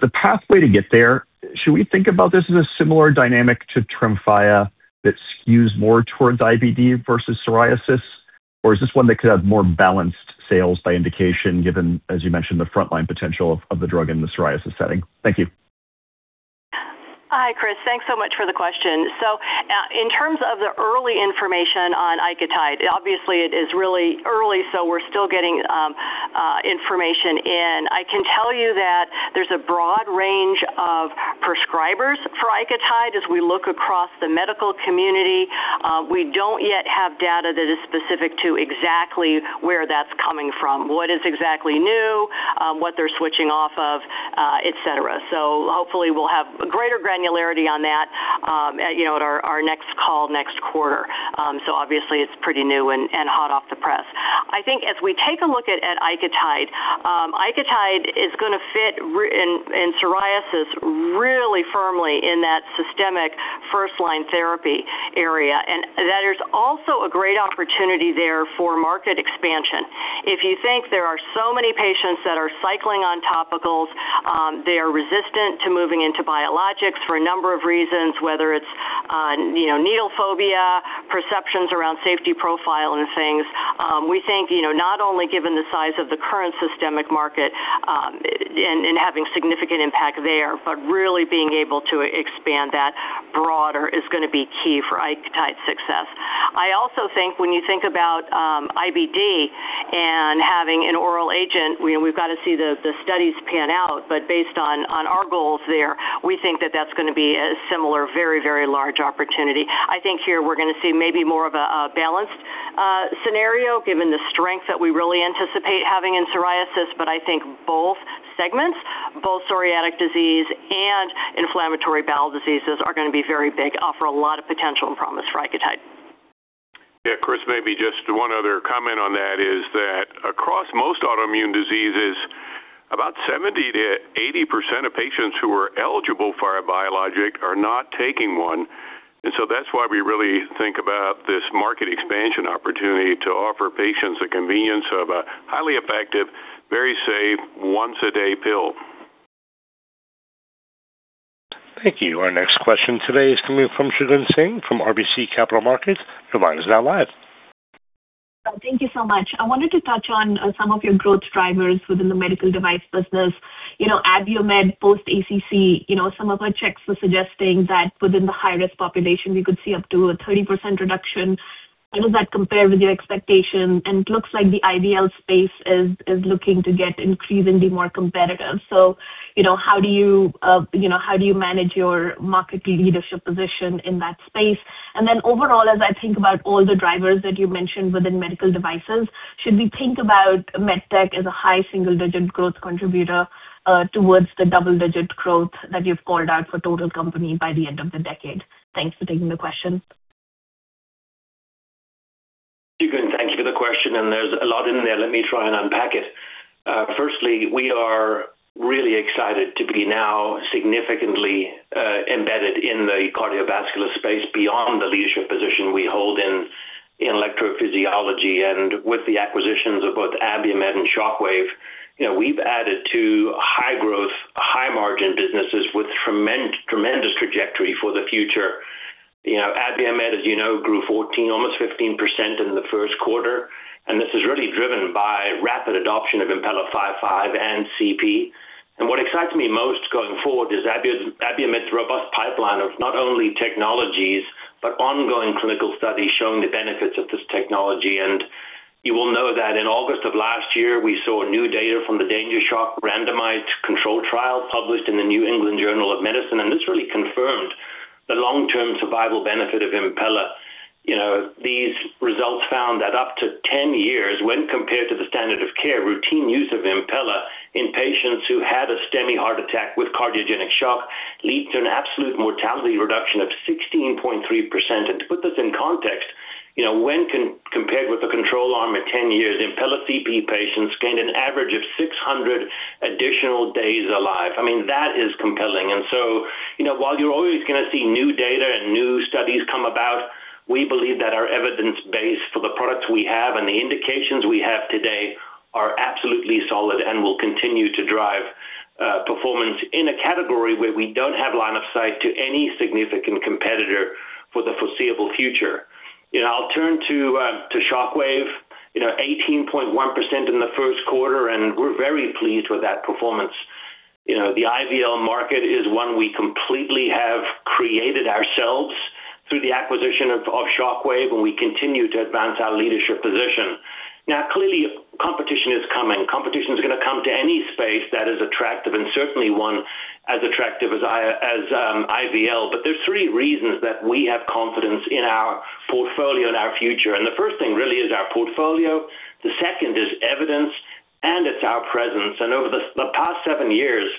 the pathway to get there, should we think about this as a similar dynamic to TREMFYA that skews more towards IBD versus psoriasis? Is this one that could have more balanced sales by indication, given, as you mentioned, the frontline potential of the drug in the psoriasis setting? Thank you. Hi, Chris. Thanks so much for the question. In terms of the early information on ICOTYDE, obviously it is really early, so we're still getting information in. I can tell you that there's a broad range of prescribers for ICOTYDE as we look across the medical community. We don't yet have data that is specific to exactly where that's coming from, what is exactly new, what they're switching off of, et cetera. Hopefully we'll have greater granularity on that at our next call next quarter. Obviously it's pretty new and hot off the press. I think as we take a look at ICOTYDE is going to fit in psoriasis really firmly in that systemic first-line therapy area. That is also a great opportunity there for market expansion. If you think there are so many patients that are cycling on topicals, they are resistant to moving into biologics for a number of reasons, whether it's needle phobia, perceptions around safety profile and things. We think, not only given the size of the current systemic market and having significant impact there, but really being able to expand that broader is going to be key for ICOTYDE success. I also think when you think about IBD and having an oral agent, we've got to see the studies pan out. Based on our goals there, we think that that's going to be a similar, very, very large opportunity. I think here we're going to see maybe more of a balanced scenario given the strength that we really anticipate having in psoriasis. I think both segments, both psoriatic disease and inflammatory bowel diseases are going to be very big, offer a lot of potential and promise for ICOTYDE. Yeah, Chris, maybe just one other comment on that is that across most autoimmune diseases, about 70%-80% of patients who are eligible for a biologic are not taking one. That's why we really think about this market expansion opportunity to offer patients the convenience of a highly effective, very safe once-a-day pill. Thank you. Our next question today is coming from Shagun Singh from RBC Capital Markets. Your line is now live. Thank you so much. I wanted to touch on some of your growth drivers within the medical device business. Abiomed post ACC, some of our checks were suggesting that within the high-risk population, we could see up to a 30% reduction. How does that compare with your expectation? It looks like the IVL space is looking to get increasingly more competitive. How do you manage your market leadership position in that space? Overall, as I think about all the drivers that you mentioned within medical devices, should we think about MedTech as a high single-digit growth contributor towards the double-digit growth that you've called out for total company by the end of the decade? Thanks for taking the question. Shagun, thank you for the question, and there's a lot in there. Let me try and unpack it. Firstly, we are really excited to be now significantly embedded in the cardiovascular space beyond the leadership position we hold in electrophysiology and with the acquisitions of both Abiomed and Shockwave. We've added two high-growth, high-margin businesses with tremendous trajectory for the future. Abiomed, as you know, grew 14%, almost 15% in the first quarter, and this is really driven by rapid adoption of Impella 5.5 and CP. What excites me most going forward is Abiomed's robust pipeline of not only technologies but ongoing clinical studies showing the benefits of this technology. You will know that in August of last year, we saw new data from the DanGer Shock randomized control trial published in The New England Journal of Medicine, and this really confirmed the long-term survival benefit of Impella. These results found that up to 10 years when compared to the standard of care, routine use of Impella in patients who had a STEMI heart attack with cardiogenic shock leads to an absolute mortality reduction of 16.3%. To put this in context, when compared with the control arm at 10 years, Impella CP patients gained an average of 600 additional days alive. I mean, that is compelling. While you're always going to see new data and new studies come about, we believe that our evidence base for the products we have and the indications we have today are absolutely solid and will continue to drive performance in a category where we don't have line of sight to any significant competitor for the foreseeable future. I'll turn to Shockwave. 18.1% in the first quarter, and we're very pleased with that performance. The IVL market is one we completely have created ourselves through the acquisition of Shockwave, and we continue to advance our leadership position. Now, clearly, competition is coming. Competition is going to come to any space that is attractive and certainly one as attractive as IVL. There's three reasons that we have confidence in our portfolio and our future. The first thing really is our portfolio. The second is evidence, and it's our presence. Over the past seven years,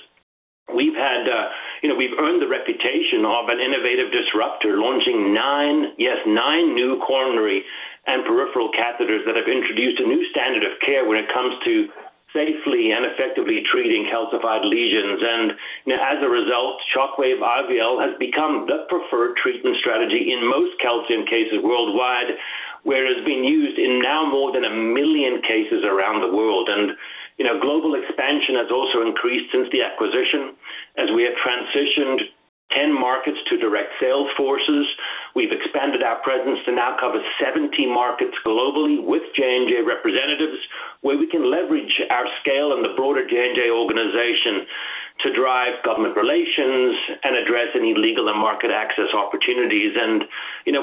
we've earned the reputation of an innovative disruptor, launching nine, yes, nine new coronary and peripheral catheters that have introduced a new standard of care when it comes to safely and effectively treating calcified lesions. As a result, Shockwave IVL has become the preferred treatment strategy in most calcium cases worldwide, where it's being used in now more than a million cases around the world. Global expansion has also increased since the acquisition, as we have transitioned 10 markets to direct sales forces. We've expanded our presence to now cover 17 markets globally with J&J representatives, where we can leverage our scale and the broader J&J organization to drive government relations and address any legal and market access opportunities.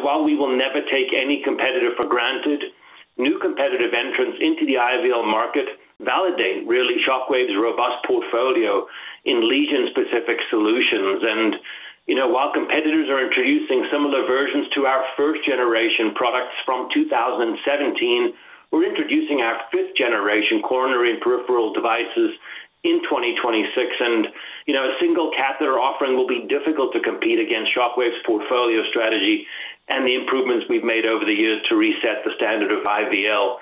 While we will never take any competitor for granted, new competitive entrants into the IVL market validate, really, Shockwave's robust portfolio in lesion-specific solutions. While competitors are introducing similar versions to our first-generation products from 2017, we're introducing our fifth-generation coronary and peripheral devices in 2026. A single catheter offering will be difficult to compete against Shockwave's portfolio strategy and the improvements we've made over the years to reset the standard of IVL.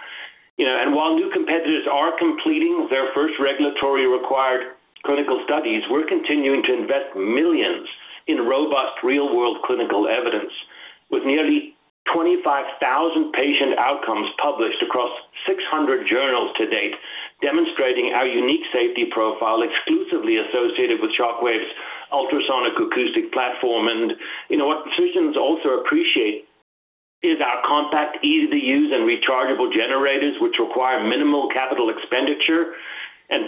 While new competitors are completing their first regulatory required clinical studies, we're continuing to invest millions in robust real-world clinical evidence with nearly 25,000 patient outcomes published across 600 journals to date, demonstrating our unique safety profile exclusively associated with Shockwave's ultrasonic acoustic platform. What physicians also appreciate is our compact, easy-to-use, and rechargeable generators, which require minimal capital expenditure.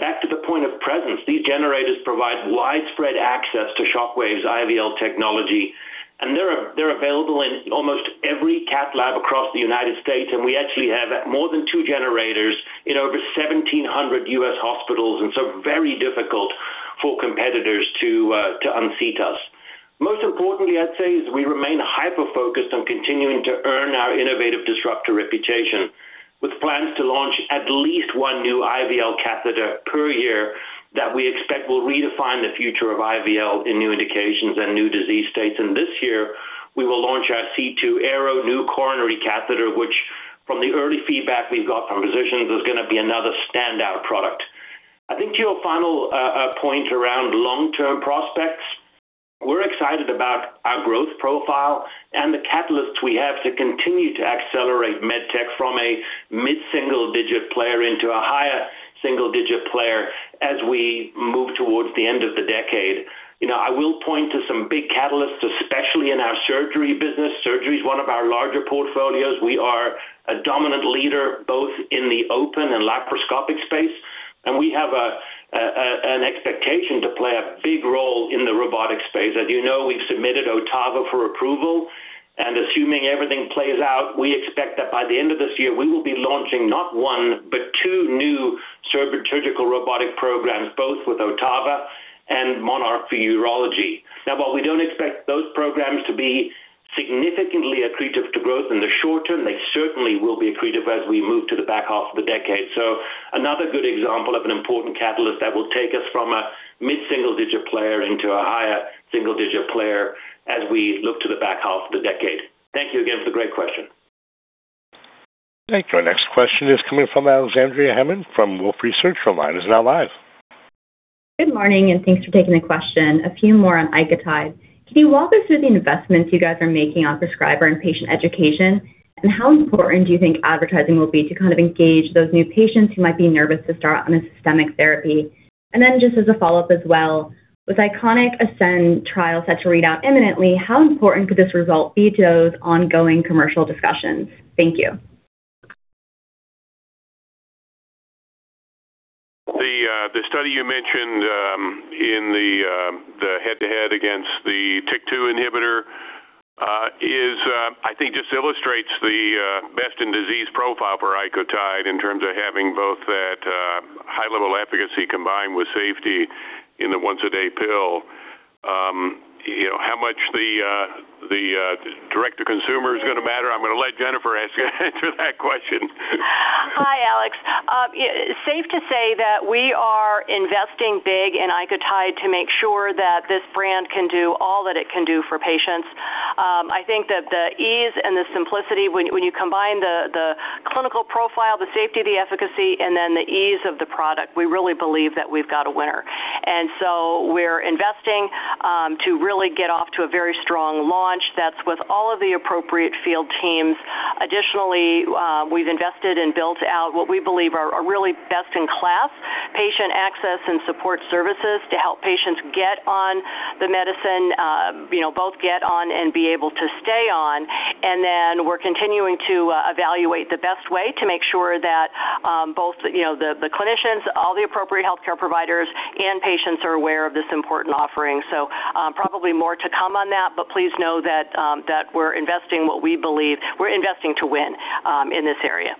Back to the point of presence, these generators provide widespread access to Shockwave's IVL technology, and they're available in almost every cath lab across the United States. We actually have more than two generators in over 1,700 U.S. hospitals, and so very difficult for competitors to unseat us. Most importantly, I'd say, is we remain hyper-focused on continuing to earn our innovative disruptor reputation, with plans to launch at least one new IVL catheter per year that we expect will redefine the future of IVL in new indications and new disease states. This year, we will launch our C2 Aero new coronary catheter, which from the early feedback we've got from physicians, is going to be another standout product. I think to your final point around long-term prospects, we're excited about our growth profile and the catalysts we have to continue to accelerate MedTech from a mid-single-digit player into a higher single-digit player as we move towards the end of the decade. I will point to some big catalysts, especially in our surgery business. Surgery is one of our larger portfolios. We are a dominant leader both in the open and laparoscopic space, and we have an expectation to play a big role in the robotic space. As you know, we've submitted OTTAVA for approval, and assuming everything plays out, we expect that by the end of this year, we will be launching not one, but two new surgical robotic programs, both with OTTAVA and MONARCH for urology. Now, while we don't expect those programs to be significantly accretive to growth in the short term, they certainly will be accretive as we move to the back half of the decade, another good example of an important catalyst that will take us from a mid-single-digit player into a higher single-digit player as we look to the back half of the decade. Thank you again for the great question. Thank you. Our next question is coming from Alexandria Hammond from Wolfe Research. Your line is now live. Good morning, thanks for taking the question. A few more on ICOTYDE. Can you walk us through the investments you guys are making on prescriber and patient education? How important do you think advertising will be to kind of engage those new patients who might be nervous to start on a systemic therapy? Just as a follow-up as well, with ICONIC-ASCEND trial set to read out imminently, how important could this result be to those ongoing commercial discussions? Thank you. The study you mentioned in the head-to-head against the TYK2 inhibitor, I think just illustrates the best-in-disease profile for ICOTYDE in terms of having both that high-level efficacy combined with safety in the once-a-day pill. How much the direct-to-consumer is going to matter, I'm going to let Jennifer answer that question. Hi, Alex. Safe to say that we are investing big in ICOTYDE to make sure that this brand can do all that it can do for patients. I think that the ease and the simplicity, when you combine the clinical profile, the safety, the efficacy, and then the ease of the product, we really believe that we've got a winner. We're investing to really get off to a very strong launch that's with all of the appropriate field teams. Additionally, we've invested and built out what we believe are really best-in-class patient access and support services to help patients get on the medicine, both get on and be able to stay on. We're continuing to evaluate the best way to make sure that both the clinicians, all the appropriate healthcare providers, and patients are aware of this important offering. Probably more to come on that, but please know that we're investing what we believe. We're investing to win in this area.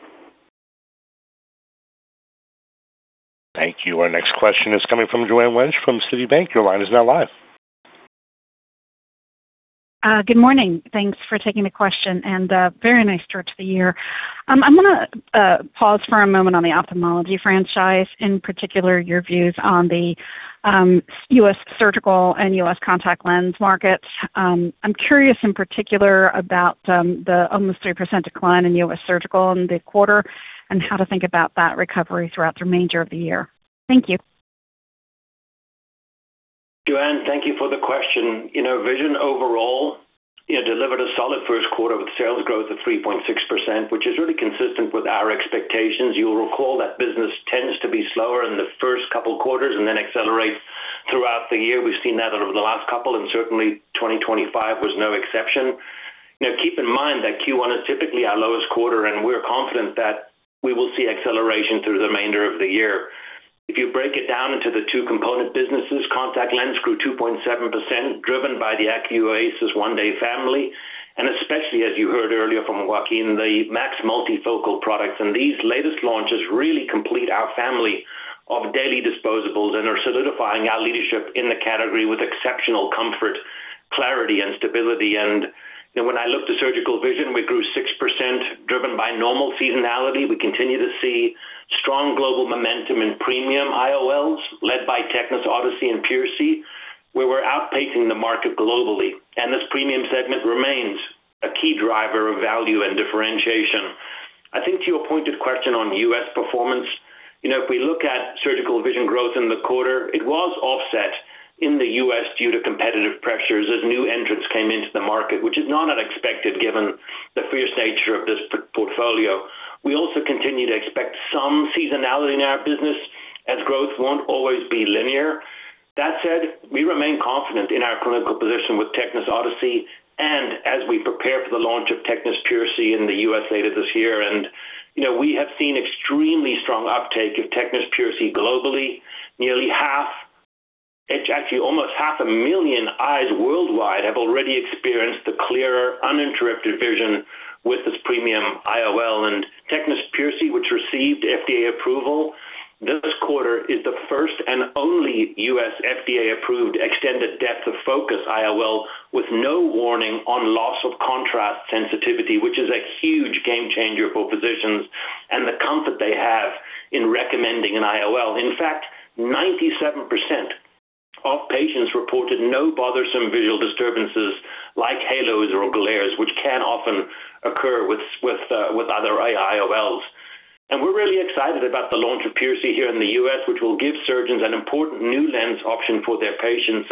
Thank you. Our next question is coming from Joanne Wuensch from Citibank. Your line is now live. Good morning. Thanks for taking the question, and a very nice start to the year. I'm going to pause for a moment on the ophthalmology franchise, in particular, your views on the U.S. surgical and U.S. contact lens markets. I'm curious in particular about the almost 3% decline in U.S. surgical in the quarter, and how to think about that recovery throughout the remainder of the year. Thank you. Joanne, thank you for the question. Vision overall delivered a solid first quarter with sales growth of 3.6%, which is really consistent with our expectations. You'll recall that business tends to be slower in the first couple quarters and then accelerates throughout the year. We've seen that over the last couple, and certainly 2025 was no exception. Keep in mind that Q1 is typically our lowest quarter, and we're confident that we will see acceleration through the remainder of the year. If you break it down into the two component businesses, Contact Lens grew 2.7%, driven by the ACUVUE OASYS 1-Day family, and especially, as you heard earlier from Joaquin, the MAX multifocal products. These latest launches really complete our family of daily disposables and are solidifying our leadership in the category with exceptional comfort, clarity, and stability. When I look to Surgical Vision, we grew 6%, driven by normal seasonality. We continue to see strong global momentum in premium IOLs led by TECNIS Odyssey and TECNIS PureSee, where we're outpacing the market globally. This premium segment remains a key driver of value and differentiation. I think to your pointed question on U.S. performance, if we look at Surgical Vision growth in the quarter, it was offset in the U.S. due to competitive pressures as new entrants came into the market, which is not unexpected given the fierce nature of this portfolio. We also continue to expect some seasonality in our business as growth won't always be linear. That said, we remain confident in our clinical position with TECNIS Odyssey, and as we prepare for the launch of TECNIS PureSee in the U.S. later this year, and we have seen extremely strong uptake of TECNIS PureSee globally. It's actually almost half a million eyes worldwide have already experienced the clearer, uninterrupted vision with this premium IOL. TECNIS PureSee, which received FDA approval this quarter, is the first and only U.S. FDA-approved extended depth of focus IOL with no warning on loss of contrast sensitivity, which is a huge game changer for physicians and the comfort they have in recommending an IOL. In fact, 97% of patients reported no bothersome visual disturbances like halos or glares, which can often occur with other IOLs. We're really excited about the launch of TECNIS PureSee here in the U.S., which will give surgeons an important new lens option for their patients.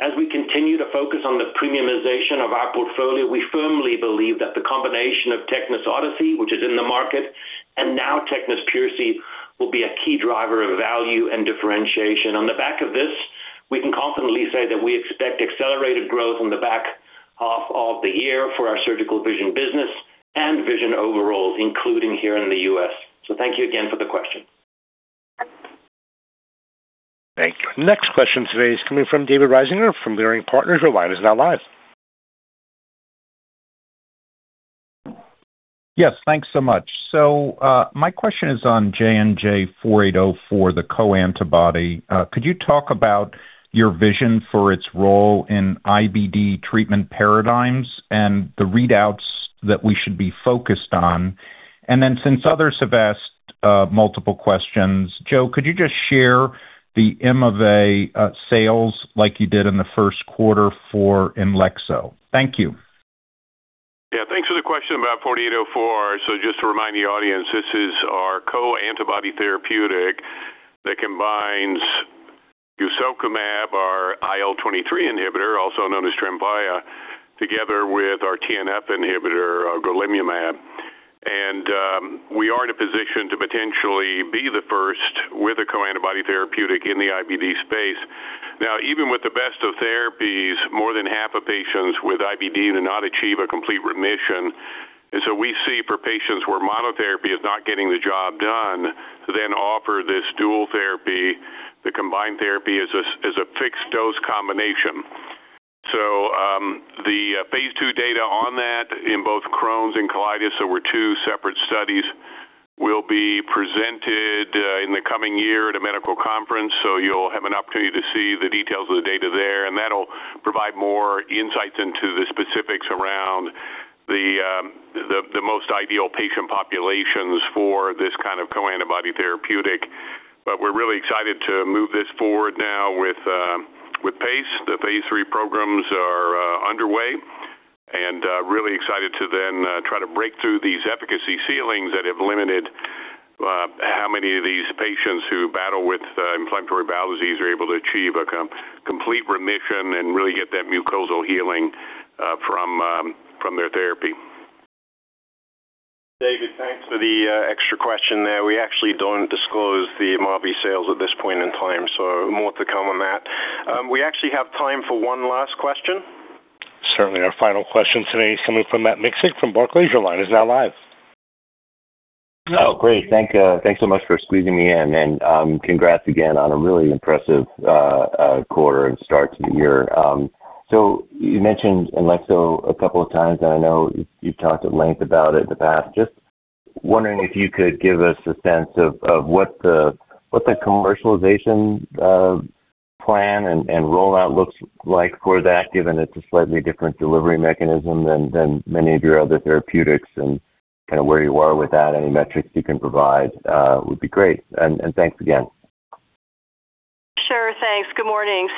As we continue to focus on the premiumization of our portfolio, we firmly believe that the combination of TECNIS Odyssey, which is in the market, and now TECNIS PureSee, will be a key driver of value and differentiation. On the back of this, we can confidently say that we expect accelerated growth on the back half of the year for our surgical vision business and vision overall, including here in the U.S. Thank you again for the question. Thank you. Next question today is coming from David Risinger from Leerink Partners. Your line is now live. Yes, thanks so much. My question is on JNJ-4804, the co-antibody. Could you talk about your vision for its role in IBD treatment paradigms and the readouts that we should be focused on? Since others have asked multiple questions, Joe, could you just share the MOA sales like you did in the first quarter for INLEXZO? Thank you. Yeah, thanks for the question about JNJ-4804. Just to remind the audience, this is our co-antibody therapeutic that combines IL-23 inhibitor, also known as TREMFYA, together with our TNF inhibitor, golimumab. We are in a position to potentially be the first with a co-antibody therapeutic in the IBD space. Now, even with the best of therapies, more than half of patients with IBD do not achieve a complete remission. We see for patients where monotherapy is not getting the job done, to then offer this dual therapy. The combined therapy is a fixed-dose combination. The phase II data on that in both Crohn's and colitis, so we're two separate studies, will be presented in the coming year at a medical conference. You'll have an opportunity to see the details of the data there, and that'll provide more insights into the specifics around the most ideal patient populations for this kind of co-antibody therapeutic. We're really excited to move this forward now with pace. The phase III programs are underway, and really excited to then try to break through these efficacy ceilings that have limited how many of these patients who battle with inflammatory bowel disease are able to achieve a complete remission and really get that mucosal healing from their therapy. David, thanks for the extra question there. We actually don't disclose the [Ambi] sales at this point in time, so more to come on that. We actually have time for one last question. Certainly. Our final question today is coming from Matt Miksic from Barclays. Your line is now live. Oh, great. Thanks so much for squeezing me in. Congrats again on a really impressive quarter and start to the year. You mentioned INLEXZO a couple of times, and I know you've talked at length about it in the past. Just wondering if you could give us a sense of what the commercialization plan and rollout looks like for that, given it's a slightly different delivery mechanism than many of your other therapeutics, and where you are with that. Any metrics you can provide would be great. Thanks again. Sure. Thanks. Good morning.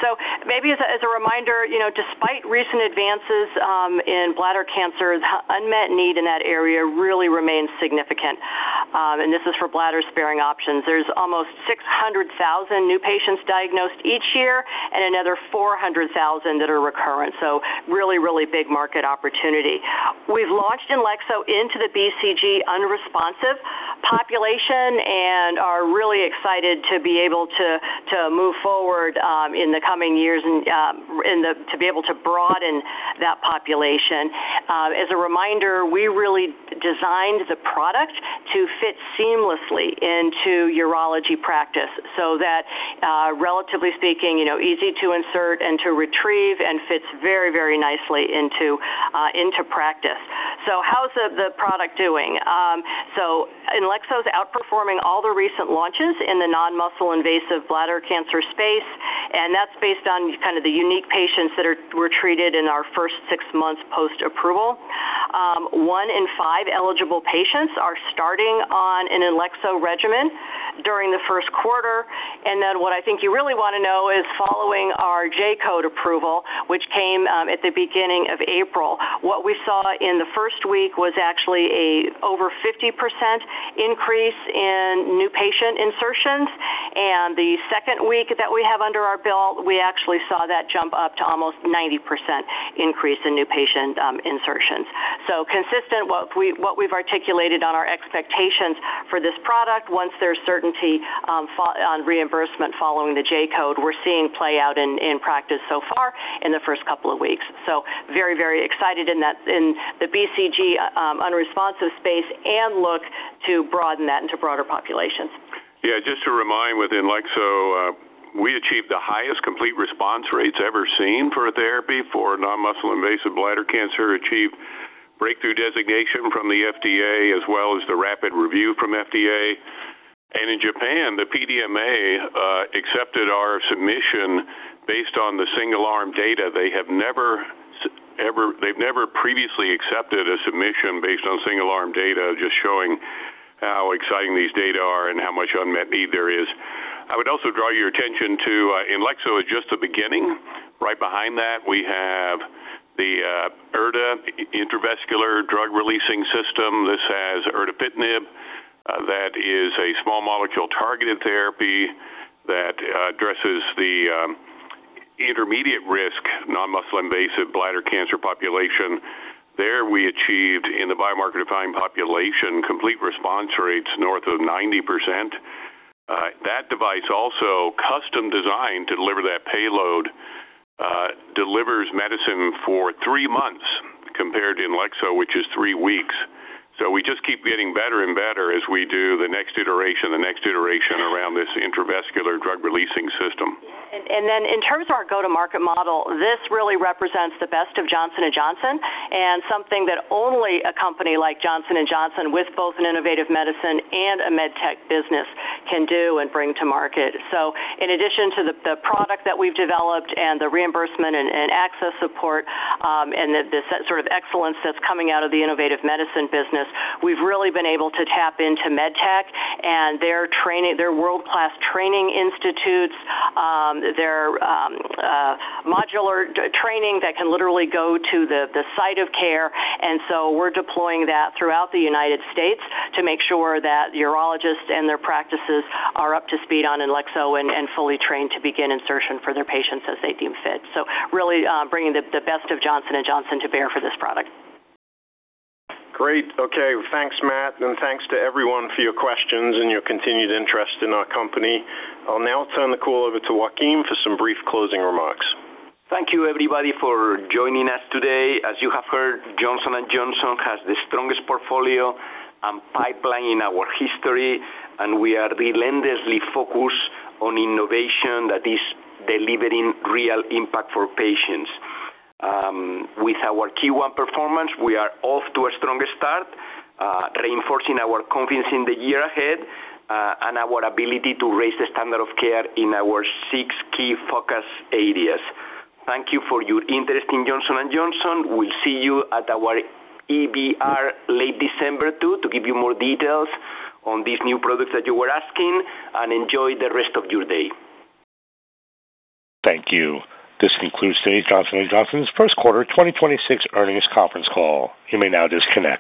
Maybe as a reminder, despite recent advances in bladder cancer, unmet need in that area really remains significant. This is for bladder-sparing options. There's almost 600,000 new patients diagnosed each year and another 400,000 that are recurrent, really big market opportunity. We've launched INLEXZO into the BCG unresponsive population and are really excited to be able to move forward in the coming years and to be able to broaden that population. As a reminder, we really designed the product to fit seamlessly into urology practice so that, relatively speaking, easy to insert and to retrieve and fits very nicely into practice. How's the product doing? INLEXZO is outperforming all the recent launches in the non-muscle invasive bladder cancer space, and that's based on the unique patients that were treated in our first six months post-approval. One in five eligible patients are starting on an INLEXZO regimen during the first quarter. What I think you really want to know is following our J-code approval, which came at the beginning of April, what we saw in the first week was actually over 50% increase in new patient insertions. The second week that we have under our belt, we actually saw that jump up to almost 90% increase in new patient insertions. Consistent what we've articulated on our expectations for this product once there's certainty on reimbursement following the J-code, we're seeing play out in practice so far in the first couple of weeks. Very excited in the BCG unresponsive space and look to broaden that into broader populations. Yeah, just to remind with INLEXZO, we achieved the highest complete response rates ever seen for a therapy for non-muscle invasive bladder cancer. We achieved breakthrough designation from the FDA as well as the rapid review from FDA. In Japan, the PMDA accepted our submission based on the single-arm data. They've never previously accepted a submission based on single-arm data, just showing how exciting these data are and how much unmet need there is. I would also draw your attention to INLEXZO is just the beginning. Right behind that, we have the ERDA, Intravascular Drug Releasing System. This has erdafitinib. That is a small molecule targeted therapy that addresses the intermediate risk non-muscle invasive bladder cancer population. There we achieved, in the biomarker-defined population, complete response rates north of 90%. That device, also custom-designed to deliver that payload, delivers medicine for three months compared to INLEXZO, which is three weeks. We just keep getting better and better as we do the next iteration around this intravesical drug-releasing system. In terms of our go-to-market model, this really represents the best of Johnson & Johnson and something that only a company like Johnson & Johnson, with both an Innovative Medicine and a MedTech business, can do and bring to market. In addition to the product that we've developed and the reimbursement and access support, and the sort of excellence that's coming out of the Innovative Medicine business, we've really been able to tap into MedTech and their world-class training institutes, their modular training that can literally go to the site of care. We're deploying that throughout the United States to make sure that urologists and their practices are up to speed on INLEXZO and fully trained to begin insertion for their patients as they deem fit. Really bringing the best of Johnson & Johnson to bear for this product. Great. Okay. Thanks, Matt, and thanks to everyone for your questions and your continued interest in our company. I'll now turn the call over to Joaquin for some brief closing remarks. Thank you, everybody, for joining us today. As you have heard, Johnson & Johnson has the strongest portfolio and pipeline in our history, and we are relentlessly focused on innovation that is delivering real impact for patients. With our Q1 performance, we are off to a stronger start, reinforcing our confidence in the year ahead and our ability to raise the standard of care in our six key focus areas. Thank you for your interest in Johnson & Johnson. We'll see you at our EBR late December too, to give you more details on these new products that you were asking. Enjoy the rest of your day. Thank you. This concludes today's Johnson & Johnson's first quarter 2026 earnings conference call. You may now disconnect.